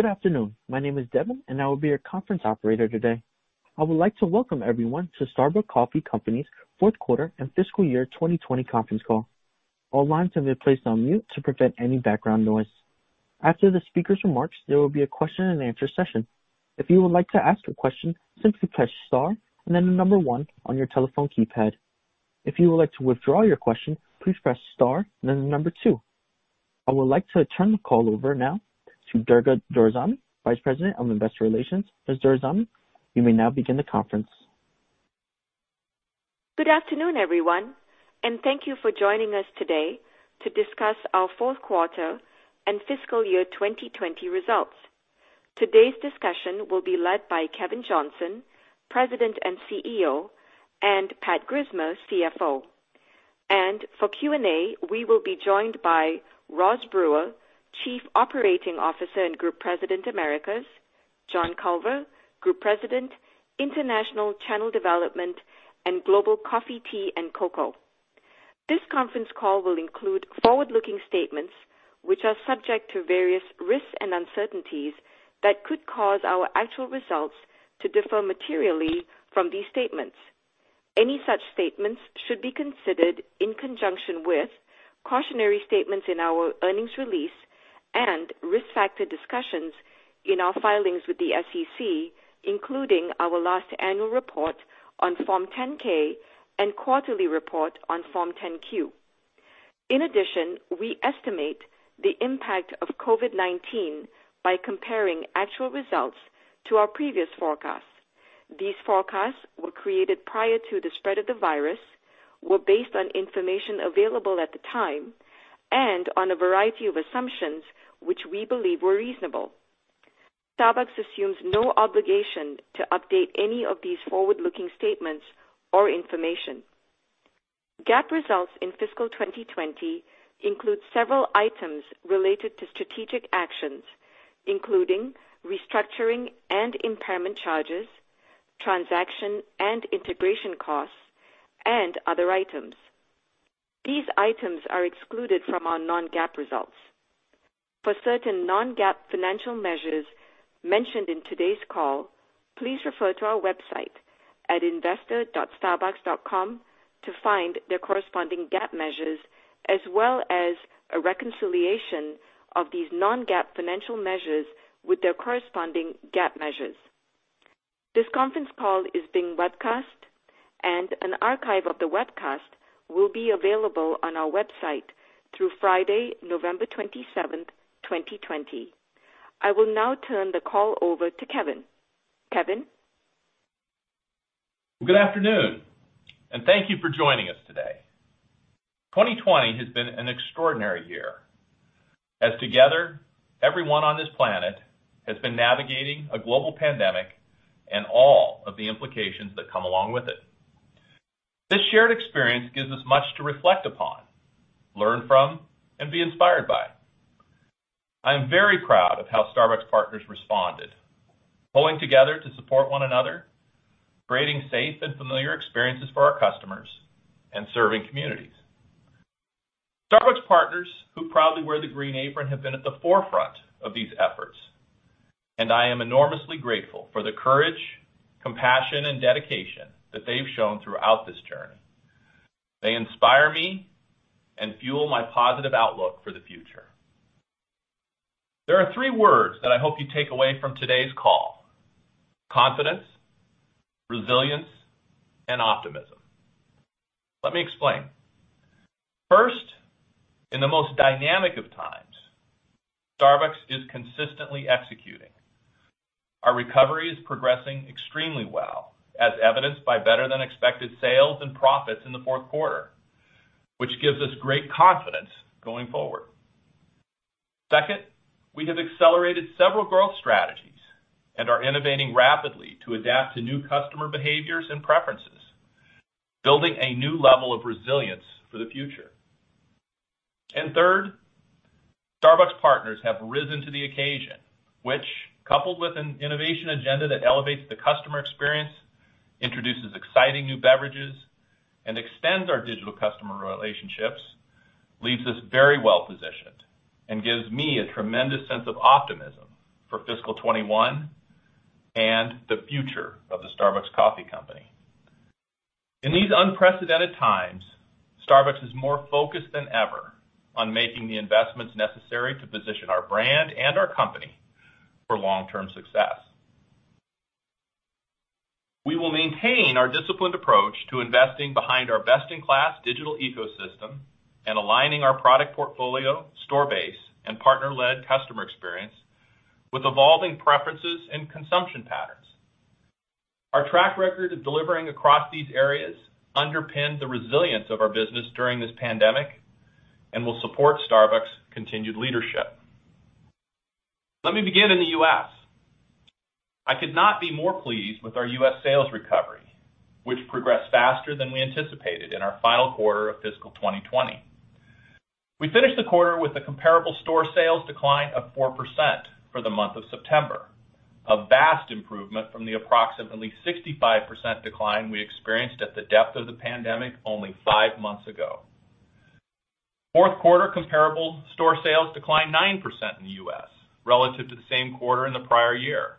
Good afternoon. My name is Devin, and I will be your conference operator today. I would like to welcome everyone to Starbucks Coffee Company's fourth quarter and fiscal year 2020 conference call. All lines have been placed on mute to prevent any background noise. After the speaker's remarks, there will be a question and answer session. If you would like to ask a question, simply press star and then the number one on your telephone keypad. If you would like to withdraw your question, please press star and then the number two. I would like to turn the call over now to Durga Doraisamy, Vice President of Investor Relations. Ms. Doraisamy, you may now begin the conference. Good afternoon, everyone. Thank you for joining us today to discuss our fourth quarter and fiscal year 2020 results. Today's discussion will be led by Kevin Johnson, President and CEO, and Pat Grismer, CFO. For Q&A, we will be joined by Roz Brewer, Chief Operating Officer and Group President, Americas, John Culver, Group President, International Channel Development and Global Coffee, Tea, and Cocoa. This conference call will include forward-looking statements, which are subject to various risks and uncertainties that could cause our actual results to differ materially from these statements. Any such statements should be considered in conjunction with cautionary statements in our earnings release and risk factor discussions in our filings with the SEC, including our last annual report on Form 10-K and quarterly report on Form 10-Q. In addition, we estimate the impact of COVID-19 by comparing actual results to our previous forecasts. These forecasts were created prior to the spread of the virus, were based on information available at the time, and on a variety of assumptions, which we believe were reasonable. Starbucks assumes no obligation to update any of these forward-looking statements or information. GAAP results in fiscal 2020 include several items related to strategic actions, including restructuring and impairment charges, transaction and integration costs, and other items. These items are excluded from our non-GAAP results. For certain non-GAAP financial measures mentioned in today's call, please refer to our website at investor.starbucks.com to find their corresponding GAAP measures, as well as a reconciliation of these non-GAAP financial measures with their corresponding GAAP measures. This conference call is being webcast, and an archive of the webcast will be available on our website through Friday, November 27th, 2020. I will now turn the call over to Kevin. Kevin? Good afternoon, and thank you for joining us today. 2020 has been an extraordinary year. As together, everyone on this planet has been navigating a global pandemic and all of the implications that come along with it. This shared experience gives us much to reflect upon, learn from, and be inspired by. I am very proud of how Starbucks partners responded, pulling together to support one another, creating safe and familiar experiences for our customers, and serving communities. Starbucks partners who proudly wear the green apron have been at the forefront of these efforts, and I am enormously grateful for the courage, compassion, and dedication that they've shown throughout this journey. They inspire me and fuel my positive outlook for the future. There are three words that I hope you take away from today's call. Confidence, resilience, and optimism. Let me explain. First, in the most dynamic of times, Starbucks is consistently executing. Our recovery is progressing extremely well, as evidenced by better than expected sales and profits in the fourth quarter, which gives us great confidence going forward. Second, we have accelerated several growth strategies and are innovating rapidly to adapt to new customer behaviors and preferences, building a new level of resilience for the future. Third, Starbucks partners have risen to the occasion, which, coupled with an innovation agenda that elevates the customer experience, introduces exciting new beverages, and extends our digital customer relationships, leaves us very well-positioned and gives me a tremendous sense of optimism for fiscal 2021 and the future of the Starbucks Coffee Company. In these unprecedented times, Starbucks is more focused than ever on making the investments necessary to position our brand and our company for long-term success. We will maintain our disciplined approach to investing behind our best-in-class digital ecosystem and aligning our product portfolio, store base, and partner-led customer experience with evolving preferences and consumption patterns. Our track record of delivering across these areas underpinned the resilience of our business during this pandemic and will support Starbucks continued leadership. Let me begin in the U.S. I could not be more pleased with our U.S. sales recovery, which progressed faster than we anticipated in our final quarter of fiscal 2020. We finished the quarter with a comparable store sales decline of 4% for the month of September. A vast improvement from the approximately 65% decline we experienced at the depth of the pandemic only five months ago. Fourth quarter comparable store sales declined 9% in the U.S. relative to the same quarter in the prior year,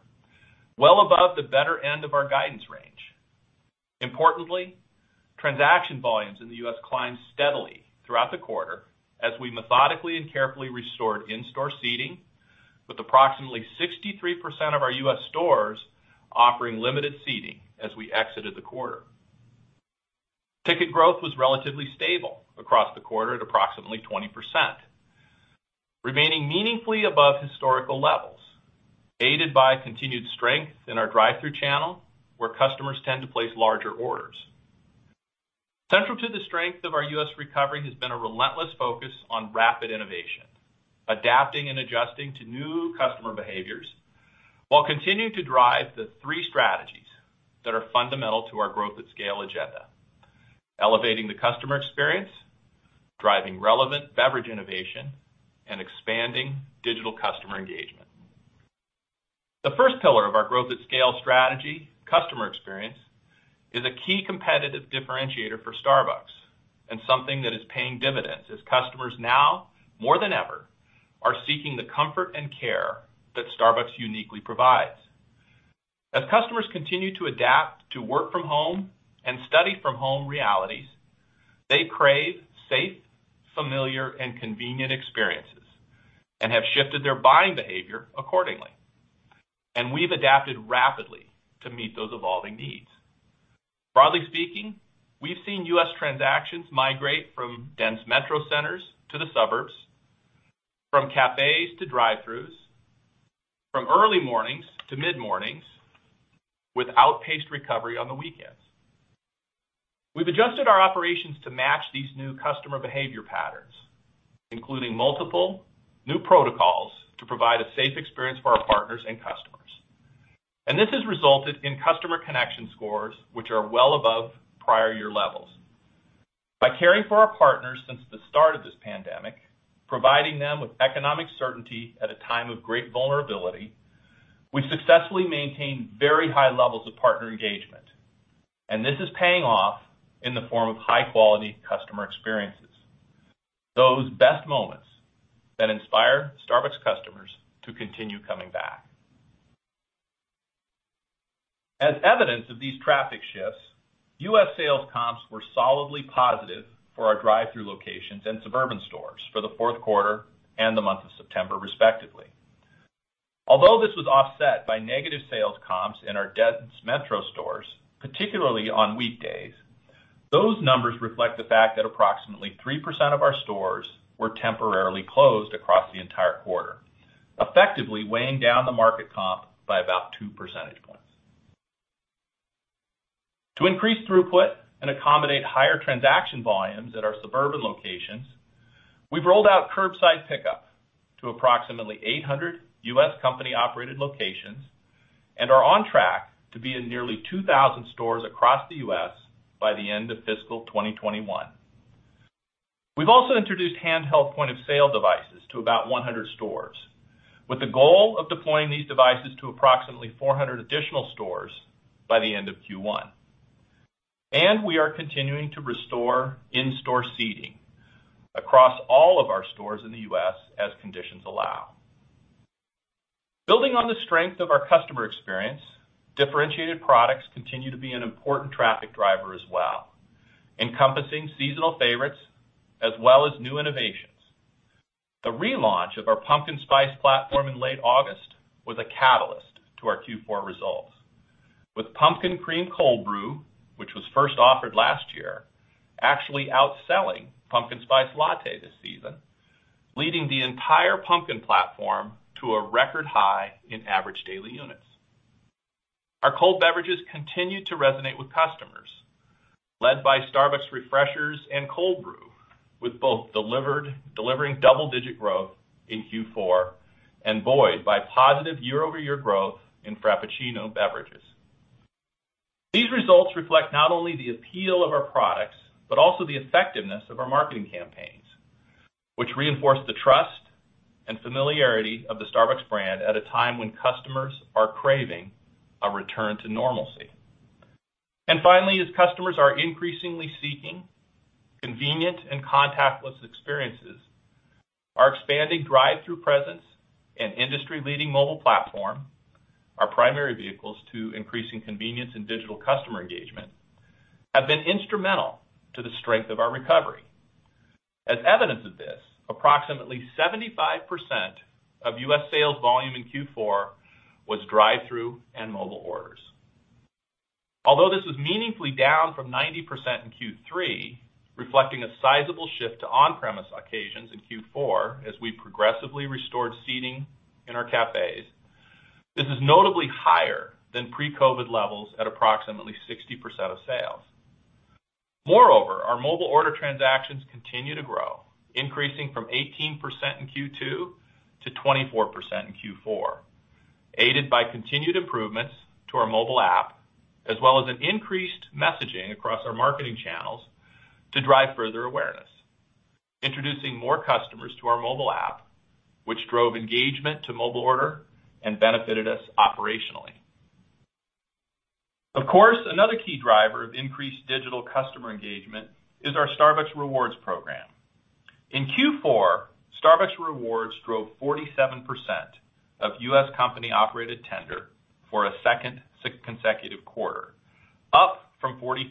well above the better end of our guidance range. Importantly, transaction volumes in the U.S. climbed steadily throughout the quarter as we methodically and carefully restored in-store seating, with approximately 63% of our U.S. stores offering limited seating as we exited the quarter. Ticket growth was relatively stable across the quarter at approximately 20%, remaining meaningfully above historical levels, aided by continued strength in our drive-thru channel, where customers tend to place larger orders. Central to the strength of our U.S. recovery has been a relentless focus on rapid innovation, adapting and adjusting to new customer behaviors while continuing to drive the three strategies that are fundamental to our growth at scale agenda. Elevating the customer experience, driving relevant beverage innovation, and expanding digital customer engagement. The first pillar of our growth at scale strategy, customer experience, is a key competitive differentiator for Starbucks and something that is paying dividends as customers now, more than ever, are seeking the comfort and care that Starbucks uniquely provides. As customers continue to adapt to work from home and study from home realities, they crave safe, familiar, and convenient experiences and have shifted their buying behavior accordingly. We've adapted rapidly to meet those evolving needs. Broadly speaking, we've seen U.S. transactions migrate from dense metro centers to the suburbs, from cafes to drive-thrus, from early mornings to mid-mornings, with outpaced recovery on the weekends. We've adjusted our operations to match these new customer behavior patterns, including multiple new protocols to provide a safe experience for our partners and customers. This has resulted in customer connection scores, which are well above prior year levels. By caring for our partners since the start of this pandemic, providing them with economic certainty at a time of great vulnerability, we successfully maintained very high levels of partner engagement, and this is paying off in the form of high-quality customer experiences. Those best moments that inspire Starbucks customers to continue coming back. As evidence of these traffic shifts, U.S. sales comps were solidly positive for our drive-thru locations and suburban stores for the fourth quarter and the month of September respectively. Although this was offset by negative sales comps in our dense metro stores, particularly on weekdays, those numbers reflect the fact that approximately 3% of our stores were temporarily closed across the entire quarter, effectively weighing down the market comp by about two percentage points. To increase throughput and accommodate higher transaction volumes at our suburban locations, we've rolled out curbside pickup to approximately 800 U.S. company-operated locations and are on track to be in nearly 2,000 stores across the U.S. by the end of fiscal 2021. We've also introduced handheld point-of-sale devices to about 100 stores, with the goal of deploying these devices to approximately 400 additional stores by the end of Q1. We are continuing to restore in-store seating across all of our stores in the U.S. as conditions allow. Building on the strength of our customer experience, differentiated products continue to be an important traffic driver as well, encompassing seasonal favorites as well as new innovations. The relaunch of our pumpkin spice platform in late August was a catalyst to our Q4 results. With Pumpkin Cream Cold Brew, which was first offered last year, actually outselling Pumpkin Spice Latte this season, leading the entire pumpkin platform to a record high in average daily units. Our cold beverages continue to resonate with customers, led by Starbucks Refreshers and Cold Brew, with both delivering double-digit growth in Q4 and buoyed by positive year-over-year growth in Frappuccino beverages. These results reflect not only the appeal of our products but also the effectiveness of our marketing campaigns, which reinforce the trust and familiarity of the Starbucks brand at a time when customers are craving a return to normalcy. Finally, as customers are increasingly seeking convenient and contactless experiences, our expanding drive-thru presence and industry-leading mobile platform, our primary vehicles to increasing convenience and digital customer engagement, have been instrumental to the strength of our recovery. As evidence of this, approximately 75% of U.S. sales volume in Q4 was drive-thru and mobile orders. Although this was meaningfully down from 90% in Q3, reflecting a sizable shift to on-premise occasions in Q4 as we progressively restored seating in our cafes, this is notably higher than pre-COVID levels at approximately 60% of sales. Moreover, our mobile order transactions continue to grow, increasing from 18% in Q2 to 24% in Q4, aided by continued improvements to our mobile app as well as an increased messaging across our marketing channels to drive further awareness, introducing more customers to our mobile app, which drove engagement to mobile order and benefited us operationally. Of course, another key driver of increased digital customer engagement is our Starbucks Rewards program. In Q4, Starbucks Rewards drove 47% of U.S. company-operated tender for a second consecutive quarter, up from 43%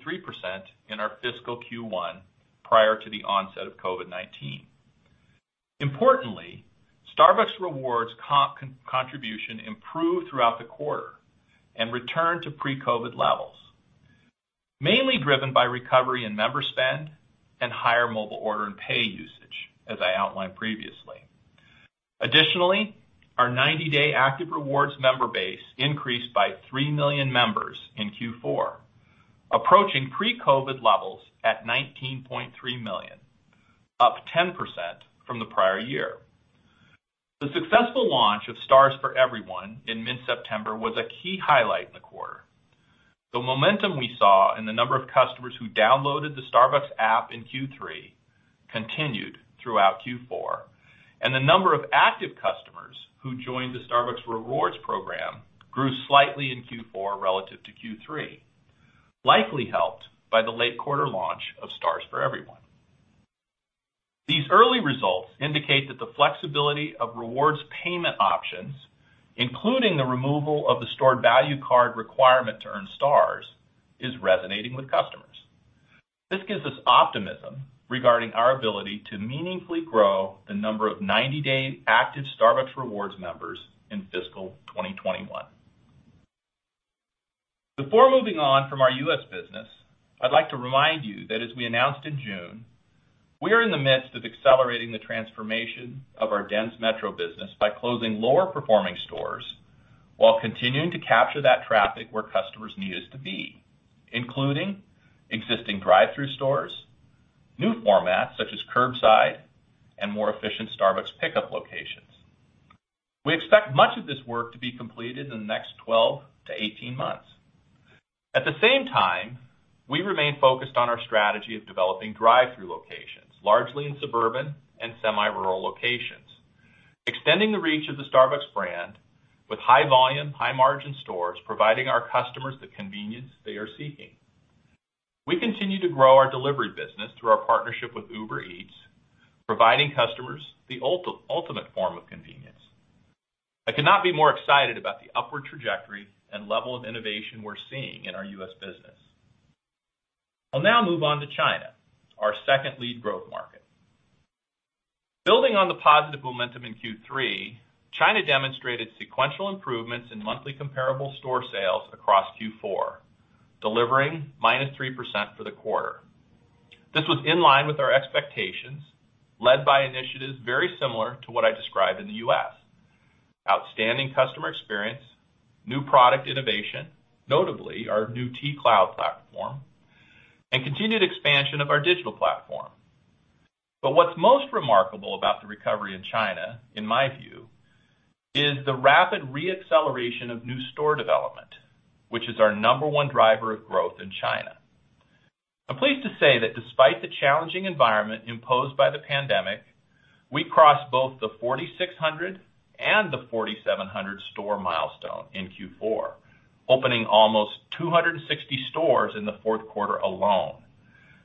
in our fiscal Q1 prior to the onset of COVID-19. Importantly, Starbucks Rewards contribution improved throughout the quarter and returned to pre-COVID levels, mainly driven by recovery in member spend and higher mobile order and pay usage, as I outlined previously. Additionally, our 90-day active Rewards member base increased by 3 million members in Q4, approaching pre-COVID levels at 19.3 million, up 10% from the prior year. The successful launch of Stars for Everyone in mid-September was a key highlight in the quarter. The momentum we saw in the number of customers who downloaded the Starbucks app in Q3 continued throughout Q4, and the number of active customers who joined the Starbucks Rewards program grew slightly in Q4 relative to Q3, likely helped by the late quarter launch of Stars for Everyone. These early results indicate that the flexibility of Rewards payment options, including the removal of the stored value card requirement to earn Stars, is resonating with customers. This gives us optimism regarding our ability to meaningfully grow the number of 90-day active Starbucks Rewards members in fiscal 2021. Before moving on from our U.S. business, I'd like to remind you that as we announced in June, we are in the midst of accelerating the transformation of our dense metro business by closing lower-performing stores while continuing to capture that traffic where customers need us to be, including existing drive-thru stores, new formats such as curbside, and more efficient Starbucks Pickup locations. We expect much of this work to be completed in the next 12-18 months. At the same time, we remain focused on our strategy of developing drive-thru locations, largely in suburban and semi-rural locations, extending the reach of the Starbucks brand with high volume, high margin stores, providing our customers the convenience they are seeking. We continue to grow our delivery business through our partnership with Uber Eats, providing customers the ultimate form of convenience. I cannot be more excited about the upward trajectory and level of innovation we're seeing in our US business. I'll now move on to China, our second lead growth market. Building on the positive momentum in Q3, China demonstrated sequential improvements in monthly comparable store sales across Q4, delivering -3% for the quarter. This was in line with our expectations, led by initiatives very similar to what I described in the US. Outstanding customer experience, new product innovation, notably our new Tea Cloud platform, and continued expansion of our digital platform. What's most remarkable about the recovery in China, in my view, is the rapid re-acceleration of new store development, which is our number one driver of growth in China. I'm pleased to say that despite the challenging environment imposed by the pandemic, we crossed both the 4,600 and the 4,700 store milestone in Q4, opening almost 260 stores in the fourth quarter alone.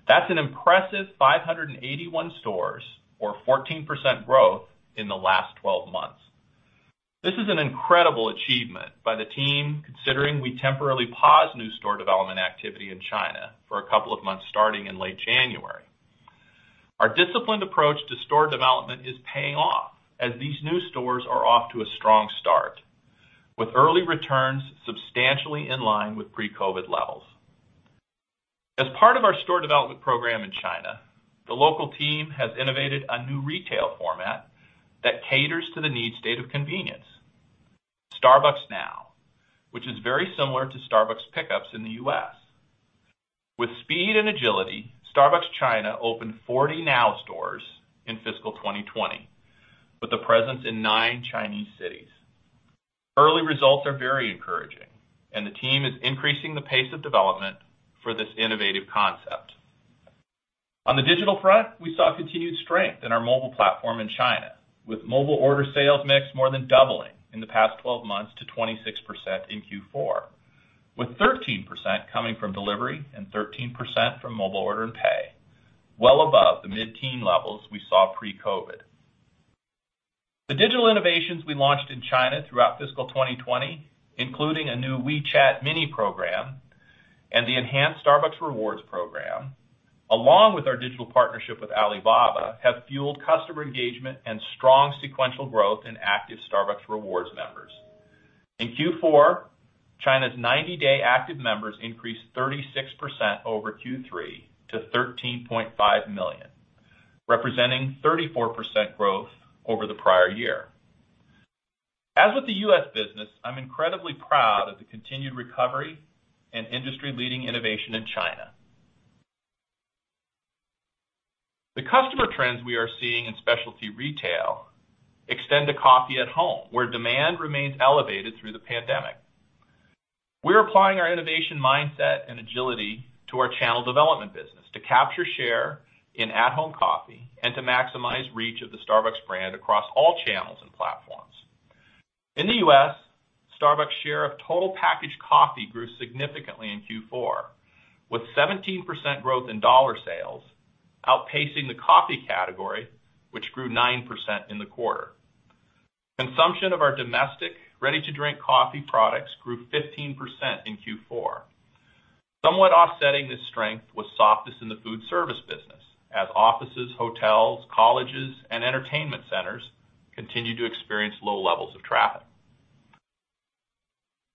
That's an impressive 581 stores or 14% growth in the last 12 months. This is an incredible achievement by the team, considering we temporarily paused new store development activity in China for a couple of months starting in late January. Our disciplined approach to store development is paying off as these new stores are off to a strong start with early returns substantially in line with pre-COVID levels. As part of our store development program in China, the local team has innovated a new retail format that caters to the needs state of convenience, Starbucks Now, which is very similar to Starbucks Pick Up in the U.S. With speed and agility, Starbucks China opened 40 Now stores in fiscal 2020 with a presence in nine Chinese cities. Early results are very encouraging and the team is increasing the pace of development for this innovative concept. On the digital front, we saw continued strength in our mobile platform in China, with mobile order sales mix more than doubling in the past 12 months to 26% in Q4, with 13% coming from delivery and 13% from mobile order and pay, well above the mid-teen levels we saw pre-COVID. The digital innovations we launched in China throughout fiscal 2020, including a new WeChat Mini Program and the enhanced Starbucks Rewards program, along with our digital partnership with Alibaba, have fueled customer engagement and strong sequential growth in active Starbucks Rewards members. In Q4, China's 90-day active members increased 36% over Q3 to 13.5 million, representing 34% growth over the prior year. As with the U.S. business, I'm incredibly proud of the continued recovery and industry-leading innovation in China. The customer trends we are seeing in specialty retail extend to coffee at home, where demand remains elevated through the pandemic. We're applying our innovation mindset and agility to our channel development business to capture share in at-home coffee and to maximize reach of the Starbucks brand across all channels and platforms. In the U.S., Starbucks share of total packaged coffee grew significantly in Q4 with 17% growth in dollar sales, outpacing the coffee category, which grew 9% in the quarter. Consumption of our domestic ready-to-drink coffee products grew 15% in Q4. Somewhat offsetting this strength was softness in the foodservice business as offices, hotels, colleges, and entertainment centers continue to experience low levels of traffic.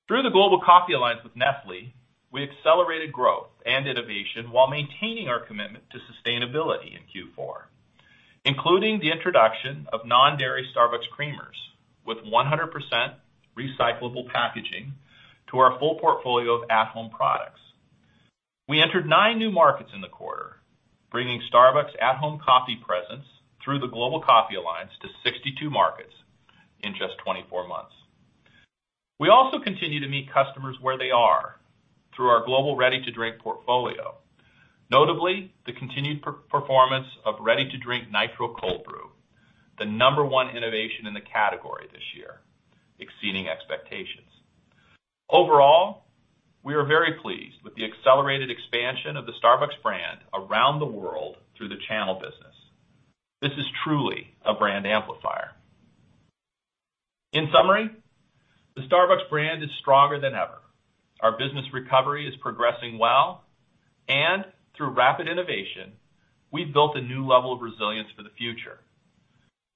Through the Global Coffee Alliance with Nestlé, we accelerated growth and innovation while maintaining our commitment to sustainability in Q4, including the introduction of non-dairy Starbucks creamers with 100% recyclable packaging to our full portfolio of at-home products. We entered nine new markets in the quarter, bringing Starbucks at-home coffee presence through the Global Coffee Alliance to 62 markets in just 24 months. We also continue to meet customers where they are through our global ready-to-drink portfolio. Notably, the continued performance of ready-to-drink Nitro Cold Brew, the number one innovation in the category this year, exceeding expectations. Overall, we are very pleased with the accelerated expansion of the Starbucks brand around the world through the channel business. This is truly a brand amplifier. In summary, the Starbucks brand is stronger than ever. Our business recovery is progressing well, and through rapid innovation, we've built a new level of resilience for the future.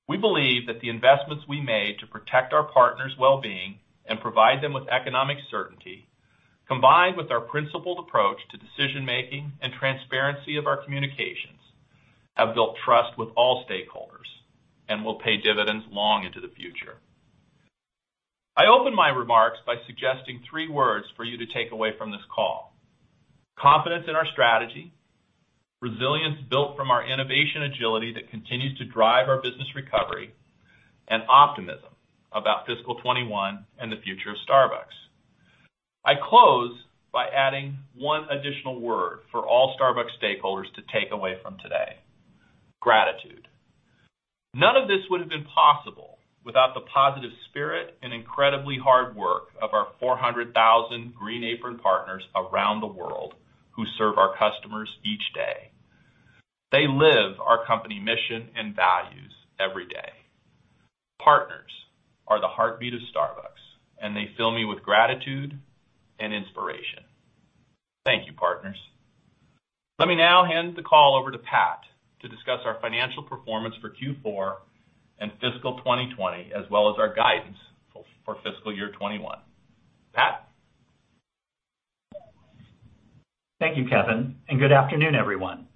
We believe that the investments we made to protect our partners' well-being and provide them with economic certainty, combined with our principled approach to decision-making and transparency of our communications, have built trust with all stakeholders and will pay dividends long into the future. I open my remarks by suggesting three words for you to take away from this call. Confidence in our strategy, resilience built from our innovation agility that continues to drive our business recovery, and optimism about fiscal 2021 and the future of Starbucks. I close by adding one additional word for all Starbucks stakeholders to take away from today, gratitude. None of this would have been possible without the positive spirit and incredibly hard work of our 400,000 green apron partners around the world who serve our customers each day. They live our company mission and values every day. Partners are the heartbeat of Starbucks, and they fill me with gratitude and inspiration. Thank you, partners. Let me now hand the call over to Pat to discuss our financial performance for Q4 and fiscal 2020, as well as our guidance for fiscal year 2021. Pat? Thank you, Kevin, and good afternoon, everyone.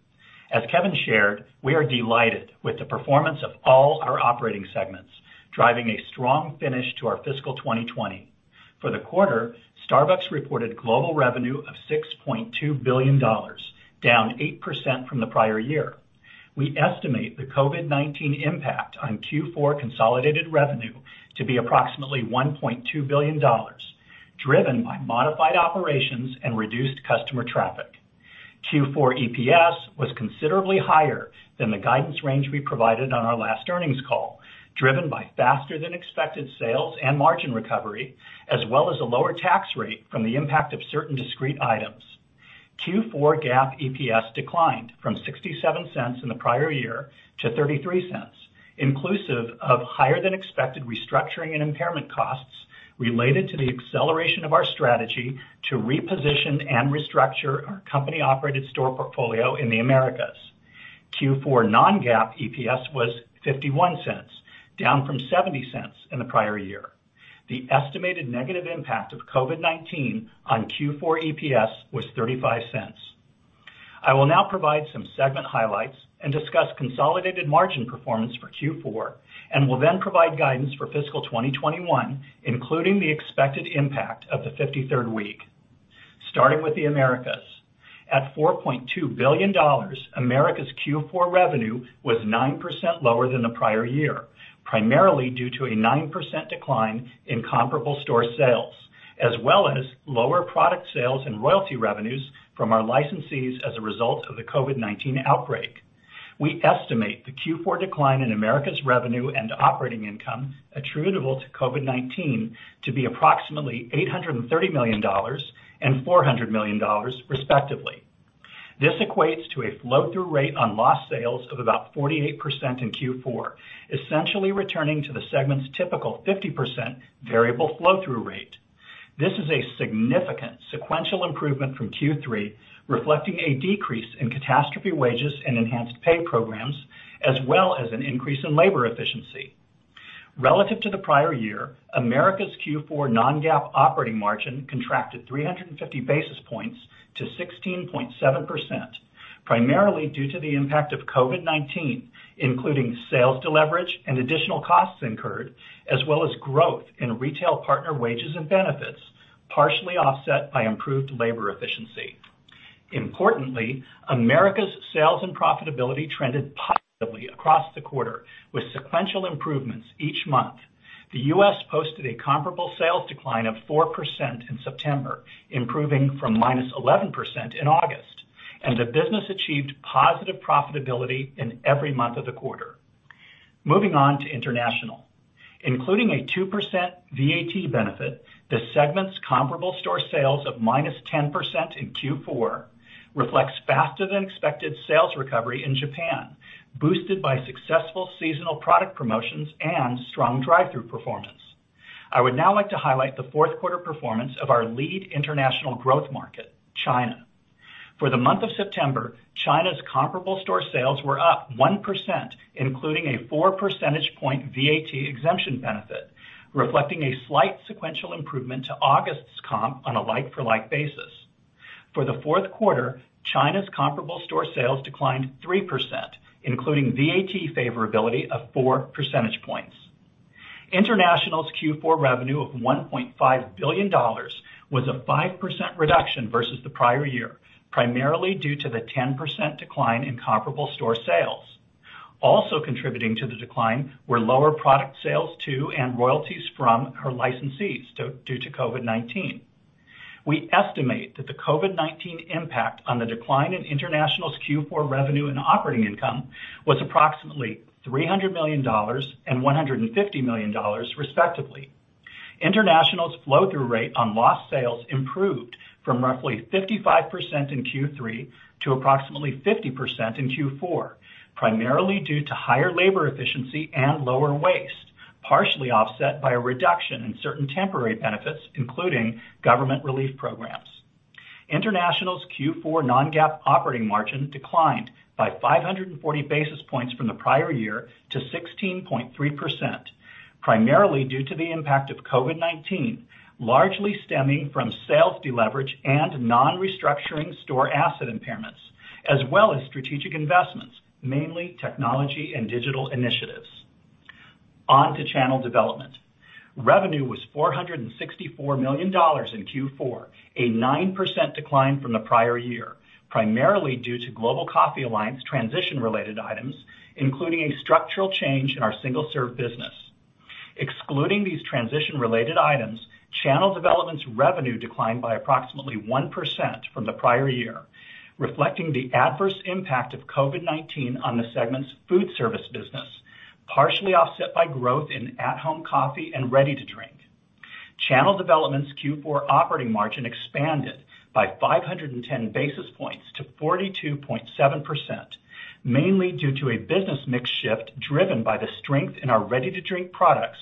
As Kevin shared, we are delighted with the performance of all our operating segments, driving a strong finish to our fiscal 2020. For the quarter, Starbucks reported global revenue of $6.2 billion, down 8% from the prior year. We estimate the COVID-19 impact on Q4 consolidated revenue to be approximately $1.2 billion, driven by modified operations and reduced customer traffic. Q4 EPS was considerably higher than the guidance range we provided on our last earnings call, driven by faster than expected sales and margin recovery, as well as a lower tax rate from the impact of certain discrete items. Q4 GAAP EPS declined from $0.67 in the prior year to $0.33, inclusive of higher than expected restructuring and impairment costs related to the acceleration of our strategy to reposition and restructure our company-operated store portfolio in the Americas. Q4 non-GAAP EPS was $0.51, down from $0.70 in the prior year. The estimated negative impact of COVID-19 on Q4 EPS was $0.35. I will now provide some segment highlights and discuss consolidated margin performance for Q4 and will then provide guidance for fiscal 2021, including the expected impact of the 53rd week. Starting with the Americas. At $4.2 billion, America's Q4 revenue was 9% lower than the prior year, primarily due to a 9% decline in comparable store sales, as well as lower product sales and royalty revenues from our licensees as a result of the COVID-19 outbreak. We estimate the Q4 decline in America's revenue and operating income attributable to COVID-19 to be approximately $830 million and $400 million respectively. This equates to a flow-through rate on lost sales of about 48% in Q4, essentially returning to the segment's typical 50% variable flow-through rate. This is a significant sequential improvement from Q3, reflecting a decrease in catastrophe wages and enhanced pay programs, as well as an increase in labor efficiency. Relative to the prior year, Americas' Q4 non-GAAP operating margin contracted 350 basis points to 16.7%, primarily due to the impact of COVID-19, including sales deleverage and additional costs incurred, as well as growth in retail partner wages and benefits, partially offset by improved labor efficiency. Importantly, Americas' sales and profitability trended positively across the quarter with sequential improvements each month. The U.S. posted a comparable sales decline of 4% in September, improving from -11% in August. The business achieved positive profitability in every month of the quarter. Moving on to international. Including a 2% VAT benefit, the segment's comparable store sales of -10% in Q4 reflects faster than expected sales recovery in Japan, boosted by successful seasonal product promotions and strong drive-thru performance. I would now like to highlight the fourth quarter performance of our lead international growth market, China. For the month of September, China's comparable store sales were up 1%, including a 4 percentage point VAT exemption benefit, reflecting a slight sequential improvement to August's comp on a like-for-like basis. For the fourth quarter, China's comparable store sales declined 3%, including VAT favorability of 4 percentage points. International's Q4 revenue of $1.5 billion was a 5% reduction versus the prior year, primarily due to the 10% decline in comparable store sales. Also contributing to the decline were lower product sales to and royalties from her licensees due to COVID-19. We estimate that the COVID-19 impact on the decline in international's Q4 revenue and operating income was approximately $300 million and $150 million respectively. International's flow-through rate on lost sales improved from roughly 55% in Q3 to approximately 50% in Q4, primarily due to higher labor efficiency and lower waste, partially offset by a reduction in certain temporary benefits, including government relief programs. International's Q4 non-GAAP operating margin declined by 540 basis points from the prior year to 16.3%, primarily due to the impact of COVID-19, largely stemming from sales deleverage and non-restructuring store asset impairments, as well as strategic investments, mainly technology and digital initiatives. On to channel development. Revenue was $464 million in Q4, a 9% decline from the prior year, primarily due to Global Coffee Alliance transition-related items, including a structural change in our single-serve business. Excluding these transition-related items, channel development's revenue declined by approximately 1% from the prior year, reflecting the adverse impact of COVID-19 on the segment's food service business, partially offset by growth in at-home coffee and ready-to-drink. Channel development's Q4 operating margin expanded by 510 basis points to 42.7%, mainly due to a business mix shift driven by the strength in our ready-to-drink products,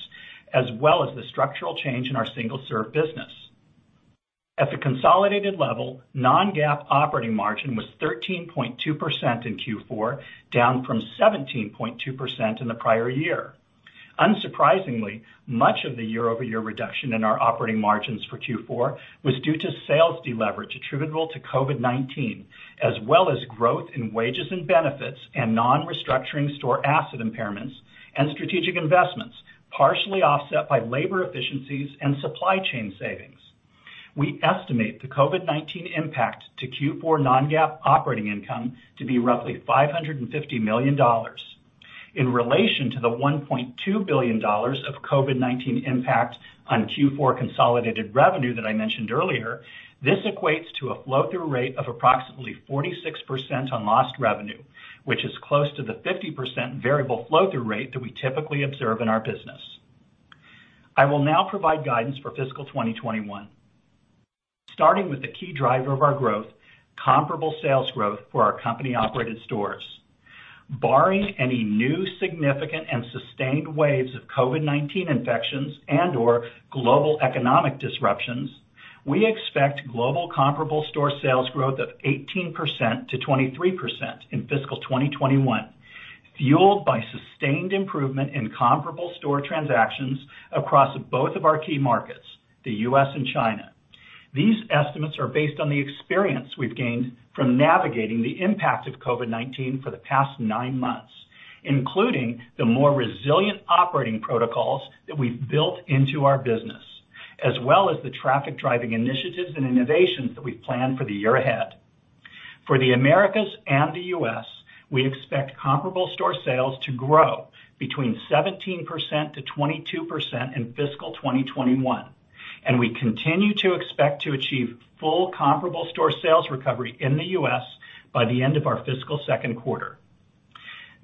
as well as the structural change in our single-serve business. At the consolidated level, non-GAAP operating margin was 13.2% in Q4, down from 17.2% in the prior year. Unsurprisingly, much of the year-over-year reduction in our operating margins for Q4 was due to sales deleverage attributable to COVID-19, as well as growth in wages and benefits and non-restructuring store asset impairments and strategic investments, partially offset by labor efficiencies and supply chain savings. We estimate the COVID-19 impact to Q4 non-GAAP operating income to be roughly $550 million. In relation to the $1.2 billion of COVID-19 impact on Q4 consolidated revenue that I mentioned earlier, this equates to a flow-through rate of approximately 46% on lost revenue, which is close to the 50% variable flow-through rate that we typically observe in our business. I will now provide guidance for fiscal 2021. Starting with the key driver of our growth, comparable sales growth for our company-operated stores. Barring any new significant and sustained waves of COVID-19 infections and/or global economic disruptions, we expect global comparable store sales growth of 18%-23% in fiscal 2021, fueled by sustained improvement in comparable store transactions across both of our key markets, the U.S. and China. These estimates are based on the experience we've gained from navigating the impact of COVID-19 for the past nine months, including the more resilient operating protocols that we've built into our business, as well as the traffic-driving initiatives and innovations that we've planned for the year ahead. For the Americas and the U.S., we expect comparable store sales to grow between 17%-22% in fiscal 2021, and we continue to expect to achieve full comparable store sales recovery in the U.S. by the end of our fiscal second quarter.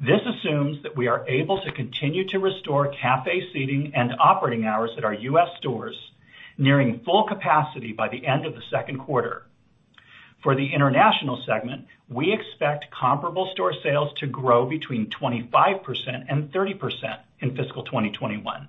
This assumes that we are able to continue to restore cafe seating and operating hours at our U.S. stores, nearing full capacity by the end of the second quarter. For the international segment, we expect comparable store sales to grow between 25% and 30% in fiscal 2021.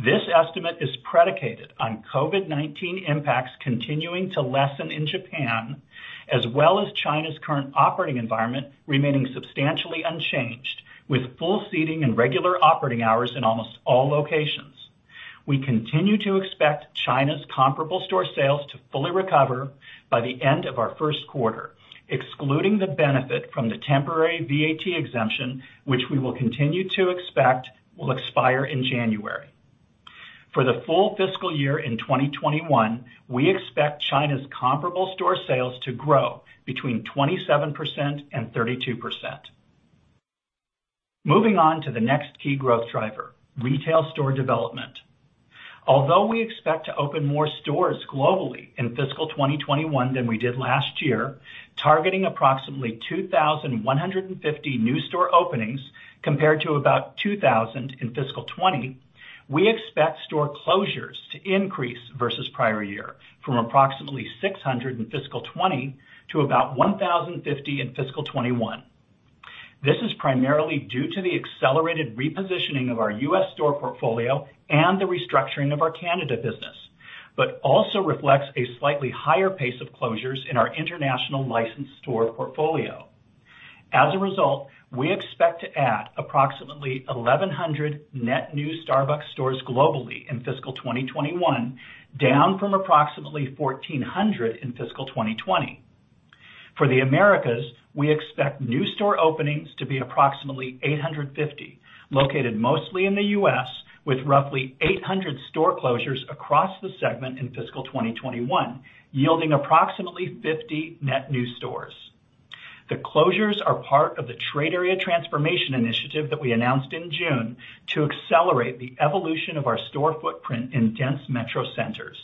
This estimate is predicated on COVID-19 impacts continuing to lessen in Japan, as well as China's current operating environment remaining substantially unchanged, with full seating and regular operating hours in almost all locations. We continue to expect China's comparable store sales to fully recover by the end of our first quarter, excluding the benefit from the temporary VAT exemption, which we will continue to expect will expire in January. For the full fiscal year in 2021, we expect China's comparable store sales to grow between 27% and 32%. Moving on to the next key growth driver, retail store development. Although we expect to open more stores globally in fiscal 2021 than we did last year, targeting approximately 2,150 new store openings compared to about 2,000 in fiscal 2020, we expect store closures to increase versus prior year from approximately 600 in fiscal 2020 to about 1,050 in fiscal 2021. This is primarily due to the accelerated repositioning of our U.S. store portfolio and the restructuring of our Canada business, but also reflects a slightly higher pace of closures in our international licensed store portfolio. We expect to add approximately 1,100 net new Starbucks stores globally in fiscal 2021, down from approximately 1,400 in fiscal 2020. For the Americas, we expect new store openings to be approximately 850, located mostly in the U.S., with roughly 800 store closures across the segment in fiscal 2021, yielding approximately 50 net new stores. The closures are part of the trade area transformation initiative that we announced in June to accelerate the evolution of our store footprint in dense metro centers,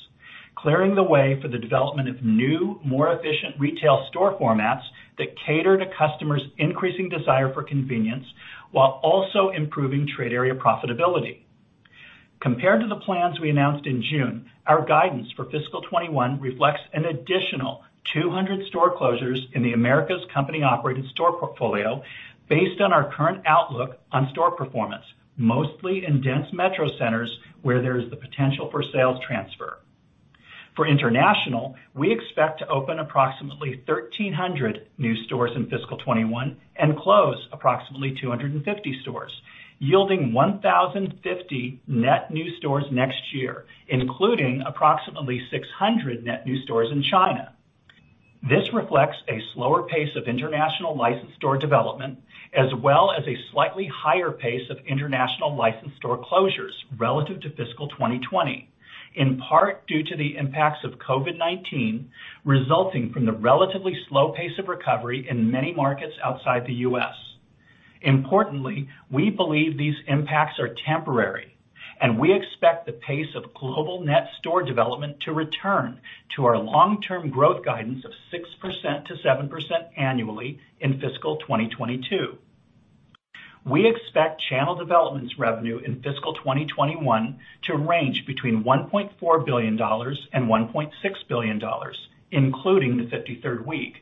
clearing the way for the development of new, more efficient retail store formats that cater to customers' increasing desire for convenience, while also improving trade area profitability. Compared to the plans we announced in June, our guidance for fiscal 2021 reflects an additional 200 store closures in the Americas company-operated store portfolio based on our current outlook on store performance, mostly in dense metro centers where there is the potential for sales transfer. For international, we expect to open approximately 1,300 new stores in fiscal 2021 and close approximately 250 stores, yielding 1,050 net new stores next year, including approximately 600 net new stores in China. This reflects a slower pace of international licensed store development, as well as a slightly higher pace of international licensed store closures relative to fiscal 2020, in part due to the impacts of COVID-19, resulting from the relatively slow pace of recovery in many markets outside the U.S. Importantly, we believe these impacts are temporary, and we expect the pace of global net store development to return to our long-term growth guidance of 6%-7% annually in fiscal 2022. We expect channel developments revenue in fiscal 2021 to range between $1.4 billion and $1.6 billion, including the 53rd week.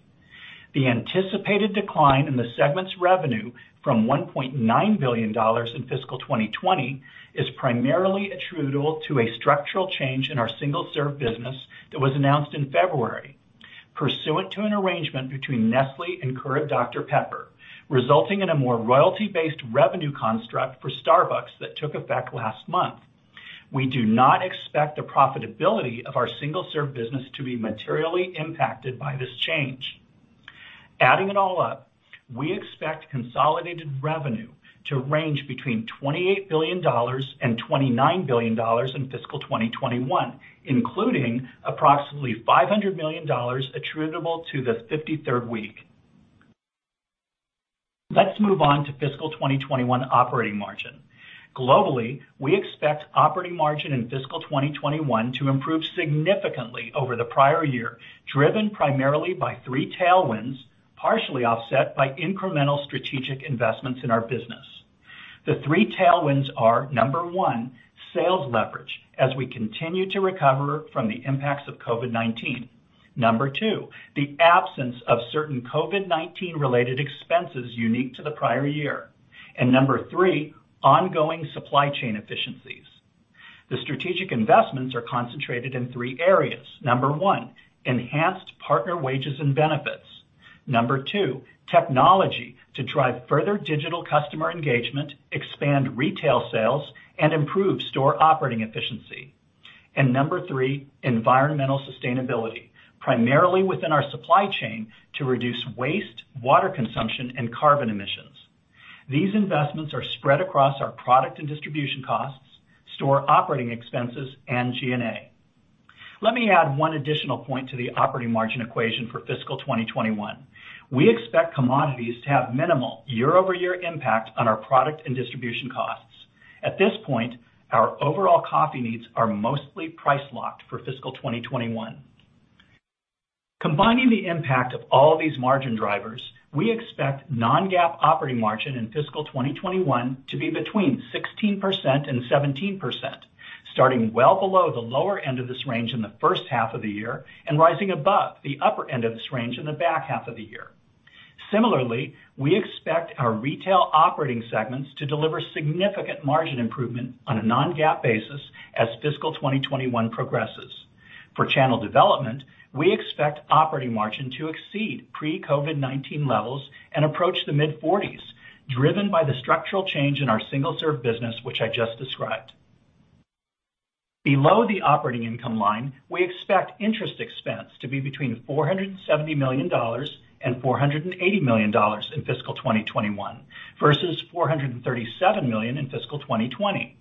The anticipated decline in the segment's revenue from $1.9 billion in fiscal 2020 is primarily attributable to a structural change in our single-serve business that was announced in February, pursuant to an arrangement between Nestlé and Keurig Dr Pepper, resulting in a more royalty-based revenue construct for Starbucks that took effect last month. We do not expect the profitability of our single-serve business to be materially impacted by this change. Adding it all up, we expect consolidated revenue to range between $28 billion and $29 billion in fiscal 2021, including approximately $500 million attributable to the 53rd week. Let's move on to fiscal 2021 operating margin. Globally, we expect operating margin in fiscal 2021 to improve significantly over the prior year, driven primarily by three tailwinds, partially offset by incremental strategic investments in our business. The three tailwinds are, number one, sales leverage, as we continue to recover from the impacts of COVID-19. Number two, the absence of certain COVID-19 related expenses unique to the prior year. Number three, ongoing supply chain efficiencies. The strategic investments are concentrated in three areas. Number one, enhanced partner wages and benefits. Number two, technology to drive further digital customer engagement, expand retail sales, and improve store operating efficiency. Number three, environmental sustainability, primarily within our supply chain to reduce waste, water consumption, and carbon emissions. These investments are spread across our product and distribution costs, store operating expenses, and G&A. Let me add one additional point to the operating margin equation for fiscal 2021. We expect commodities to have minimal year-over-year impact on our product and distribution costs. At this point, our overall coffee needs are mostly price-locked for fiscal 2021. Combining the impact of all these margin drivers, we expect non-GAAP operating margin in fiscal 2021 to be between 16% and 17%, starting well below the lower end of this range in the first half of the year and rising above the upper end of this range in the back half of the year. Similarly, we expect our retail operating segments to deliver significant margin improvement on a non-GAAP basis as fiscal 2021 progresses. For channel development, we expect operating margin to exceed pre-COVID-19 levels and approach the mid-40s, driven by the structural change in our single-serve business, which I just described. Below the operating income line, we expect interest expense to be between $470 million and $480 million in fiscal 2021, versus $437 million in fiscal 2020.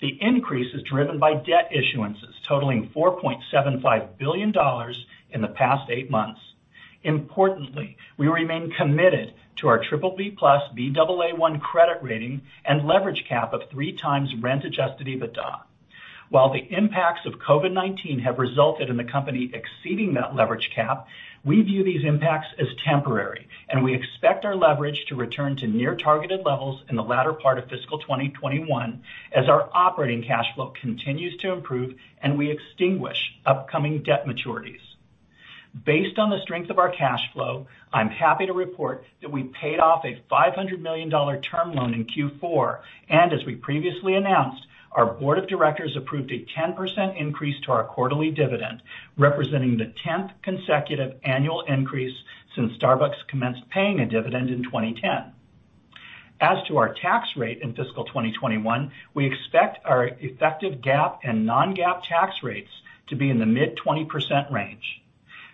The increase is driven by debt issuances totaling $4.75 billion in the past eight months. Importantly, we remain committed to our BBB+, Baa1 credit rating and leverage cap of 3x rent-adjusted EBITDA. While the impacts of COVID-19 have resulted in the company exceeding that leverage cap, we view these impacts as temporary, and we expect our leverage to return to near targeted levels in the latter part of fiscal 2021 as our operating cash flow continues to improve and we extinguish upcoming debt maturities. Based on the strength of our cash flow, I'm happy to report that we paid off a $500 million term loan in Q4, and as we previously announced, our board of directors approved a 10% increase to our quarterly dividend, representing the 10th consecutive annual increase since Starbucks commenced paying a dividend in 2010. As to our tax rate in fiscal 2021, we expect our effective GAAP and non-GAAP tax rates to be in the mid-20% range.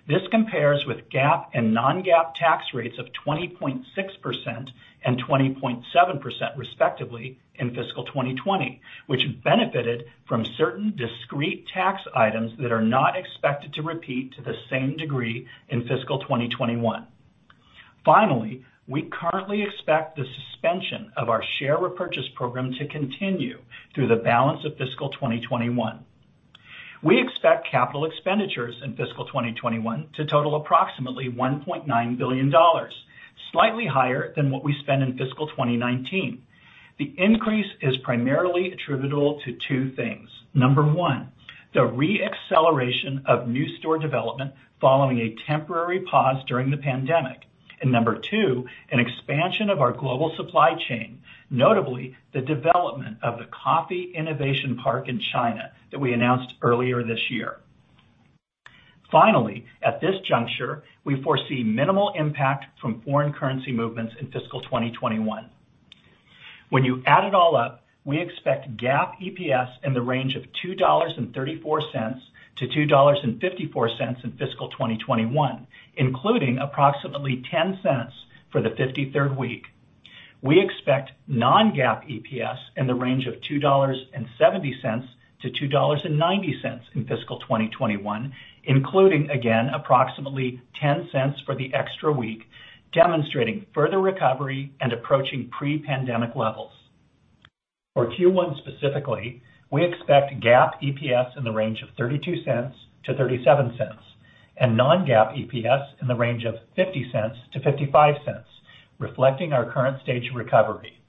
This compares with GAAP and non-GAAP tax rates of 20.6% and 20.7%, respectively, in fiscal 2020, which benefited from certain discrete tax items that are not expected to repeat to the same degree in fiscal 2021. Finally, we currently expect the suspension of our share repurchase program to continue through the balance of fiscal 2021. We expect CapEx in fiscal 2021 to total approximately $1.9 billion, slightly higher than what we spent in fiscal 2019. The increase is primarily attributable to two things. Number one, the re-acceleration of new store development following a temporary pause during the pandemic. Number two, an expansion of our global supply chain, notably the development of the Coffee Innovation Park in China that we announced earlier this year. Finally, at this juncture, we foresee minimal impact from foreign currency movements in fiscal 2021. When you add it all up, we expect GAAP EPS in the range of $2.34-$2.54 in fiscal 2021, including approximately $0.10 for the 53rd week. We expect non-GAAP EPS in the range of $2.70-$2.90 in fiscal 2021, including, again, approximately $0.10 for the extra week, demonstrating further recovery and approaching pre-pandemic levels. For Q1 specifically, we expect GAAP EPS in the range of $0.32-$0.37, and non-GAAP EPS in the range of $0.50-$0.55, reflecting our current stage of recovery.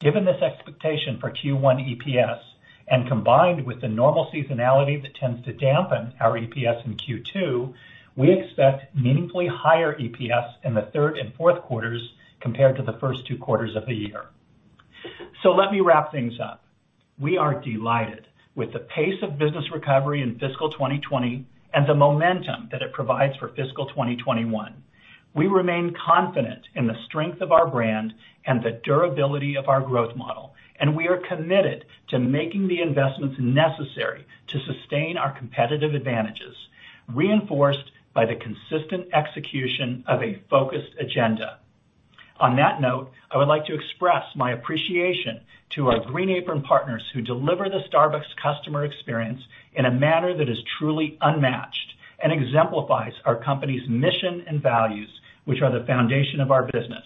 Given this expectation for Q1 EPS and combined with the normal seasonality that tends to dampen our EPS in Q2, we expect meaningfully higher EPS in the third and fourth quarters compared to the first two quarters of the year. Let me wrap things up. We are delighted with the pace of business recovery in fiscal 2020 and the momentum that it provides for fiscal 2021. We remain confident in the strength of our brand and the durability of our growth model, and we are committed to making the investments necessary to sustain our competitive advantages, reinforced by the consistent execution of a focused agenda. On that note, I would like to express my appreciation to our green apron partners who deliver the Starbucks customer experience in a manner that is truly unmatched and exemplifies our company's mission and values, which are the foundation of our business.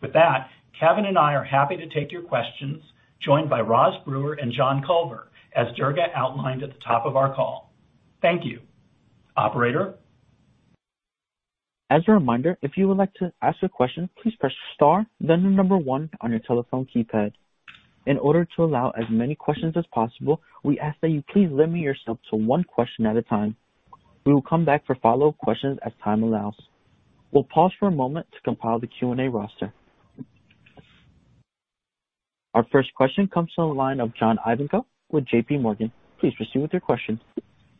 With that, Kevin and I are happy to take your questions, joined by Roz Brewer and John Culver, as Durga outlined at the top of our call. Thank you. Operator. As a reminder, if you would like to ask a question, please press star then the number one on your telephone keypad. In order to allow as many questions as possible, we ask that you please limit yourself to one question at a time. We will come back for follow-up questions as time allows. We'll pause for a moment to compile the Q&A roster. Our first question comes from the line of John Ivankoe with JPMorgan. Please proceed with your question.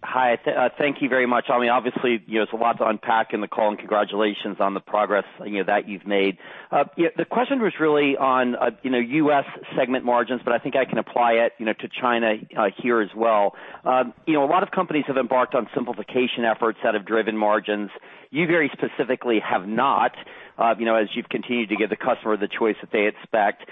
Hi. Thank you very much. Obviously, there's a lot to unpack in the call, and congratulations on the progress that you've made. The question was really on U.S. segment margins, but I think I can apply it to China here as well. A lot of companies have embarked on simplification efforts that have driven margins. You very specifically have not as you've continued to give the customer the choice that they expect.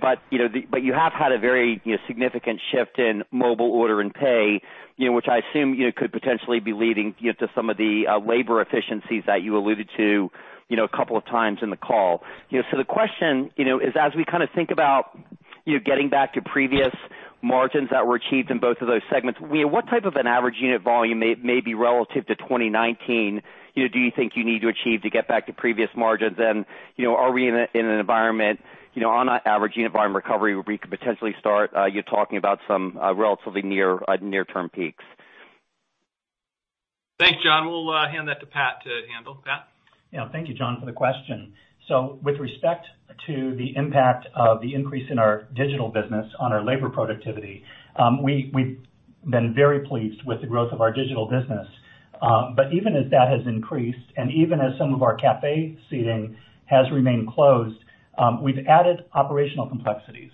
But you have had a very significant shift in Mobile Order & Pay, which I assume could potentially be leading to some of the labor efficiencies that you alluded to a couple of times in the call. The question is as we think about getting back to previous margins that were achieved in both of those segments, what type of an average unit volume may be relative to 2019 do you think you need to achieve to get back to previous margins? Are we in an environment on an average unit volume recovery where we could potentially start talking about some relatively near-term peaks? Thanks, John. We'll hand that to Pat to handle. Pat? Yeah. Thank you, John, for the question. With respect to the impact of the increase in our digital business on our labor productivity, we've been very pleased with the growth of our digital business. Even as that has increased and even as some of our cafe seating has remained closed, we've added operational complexities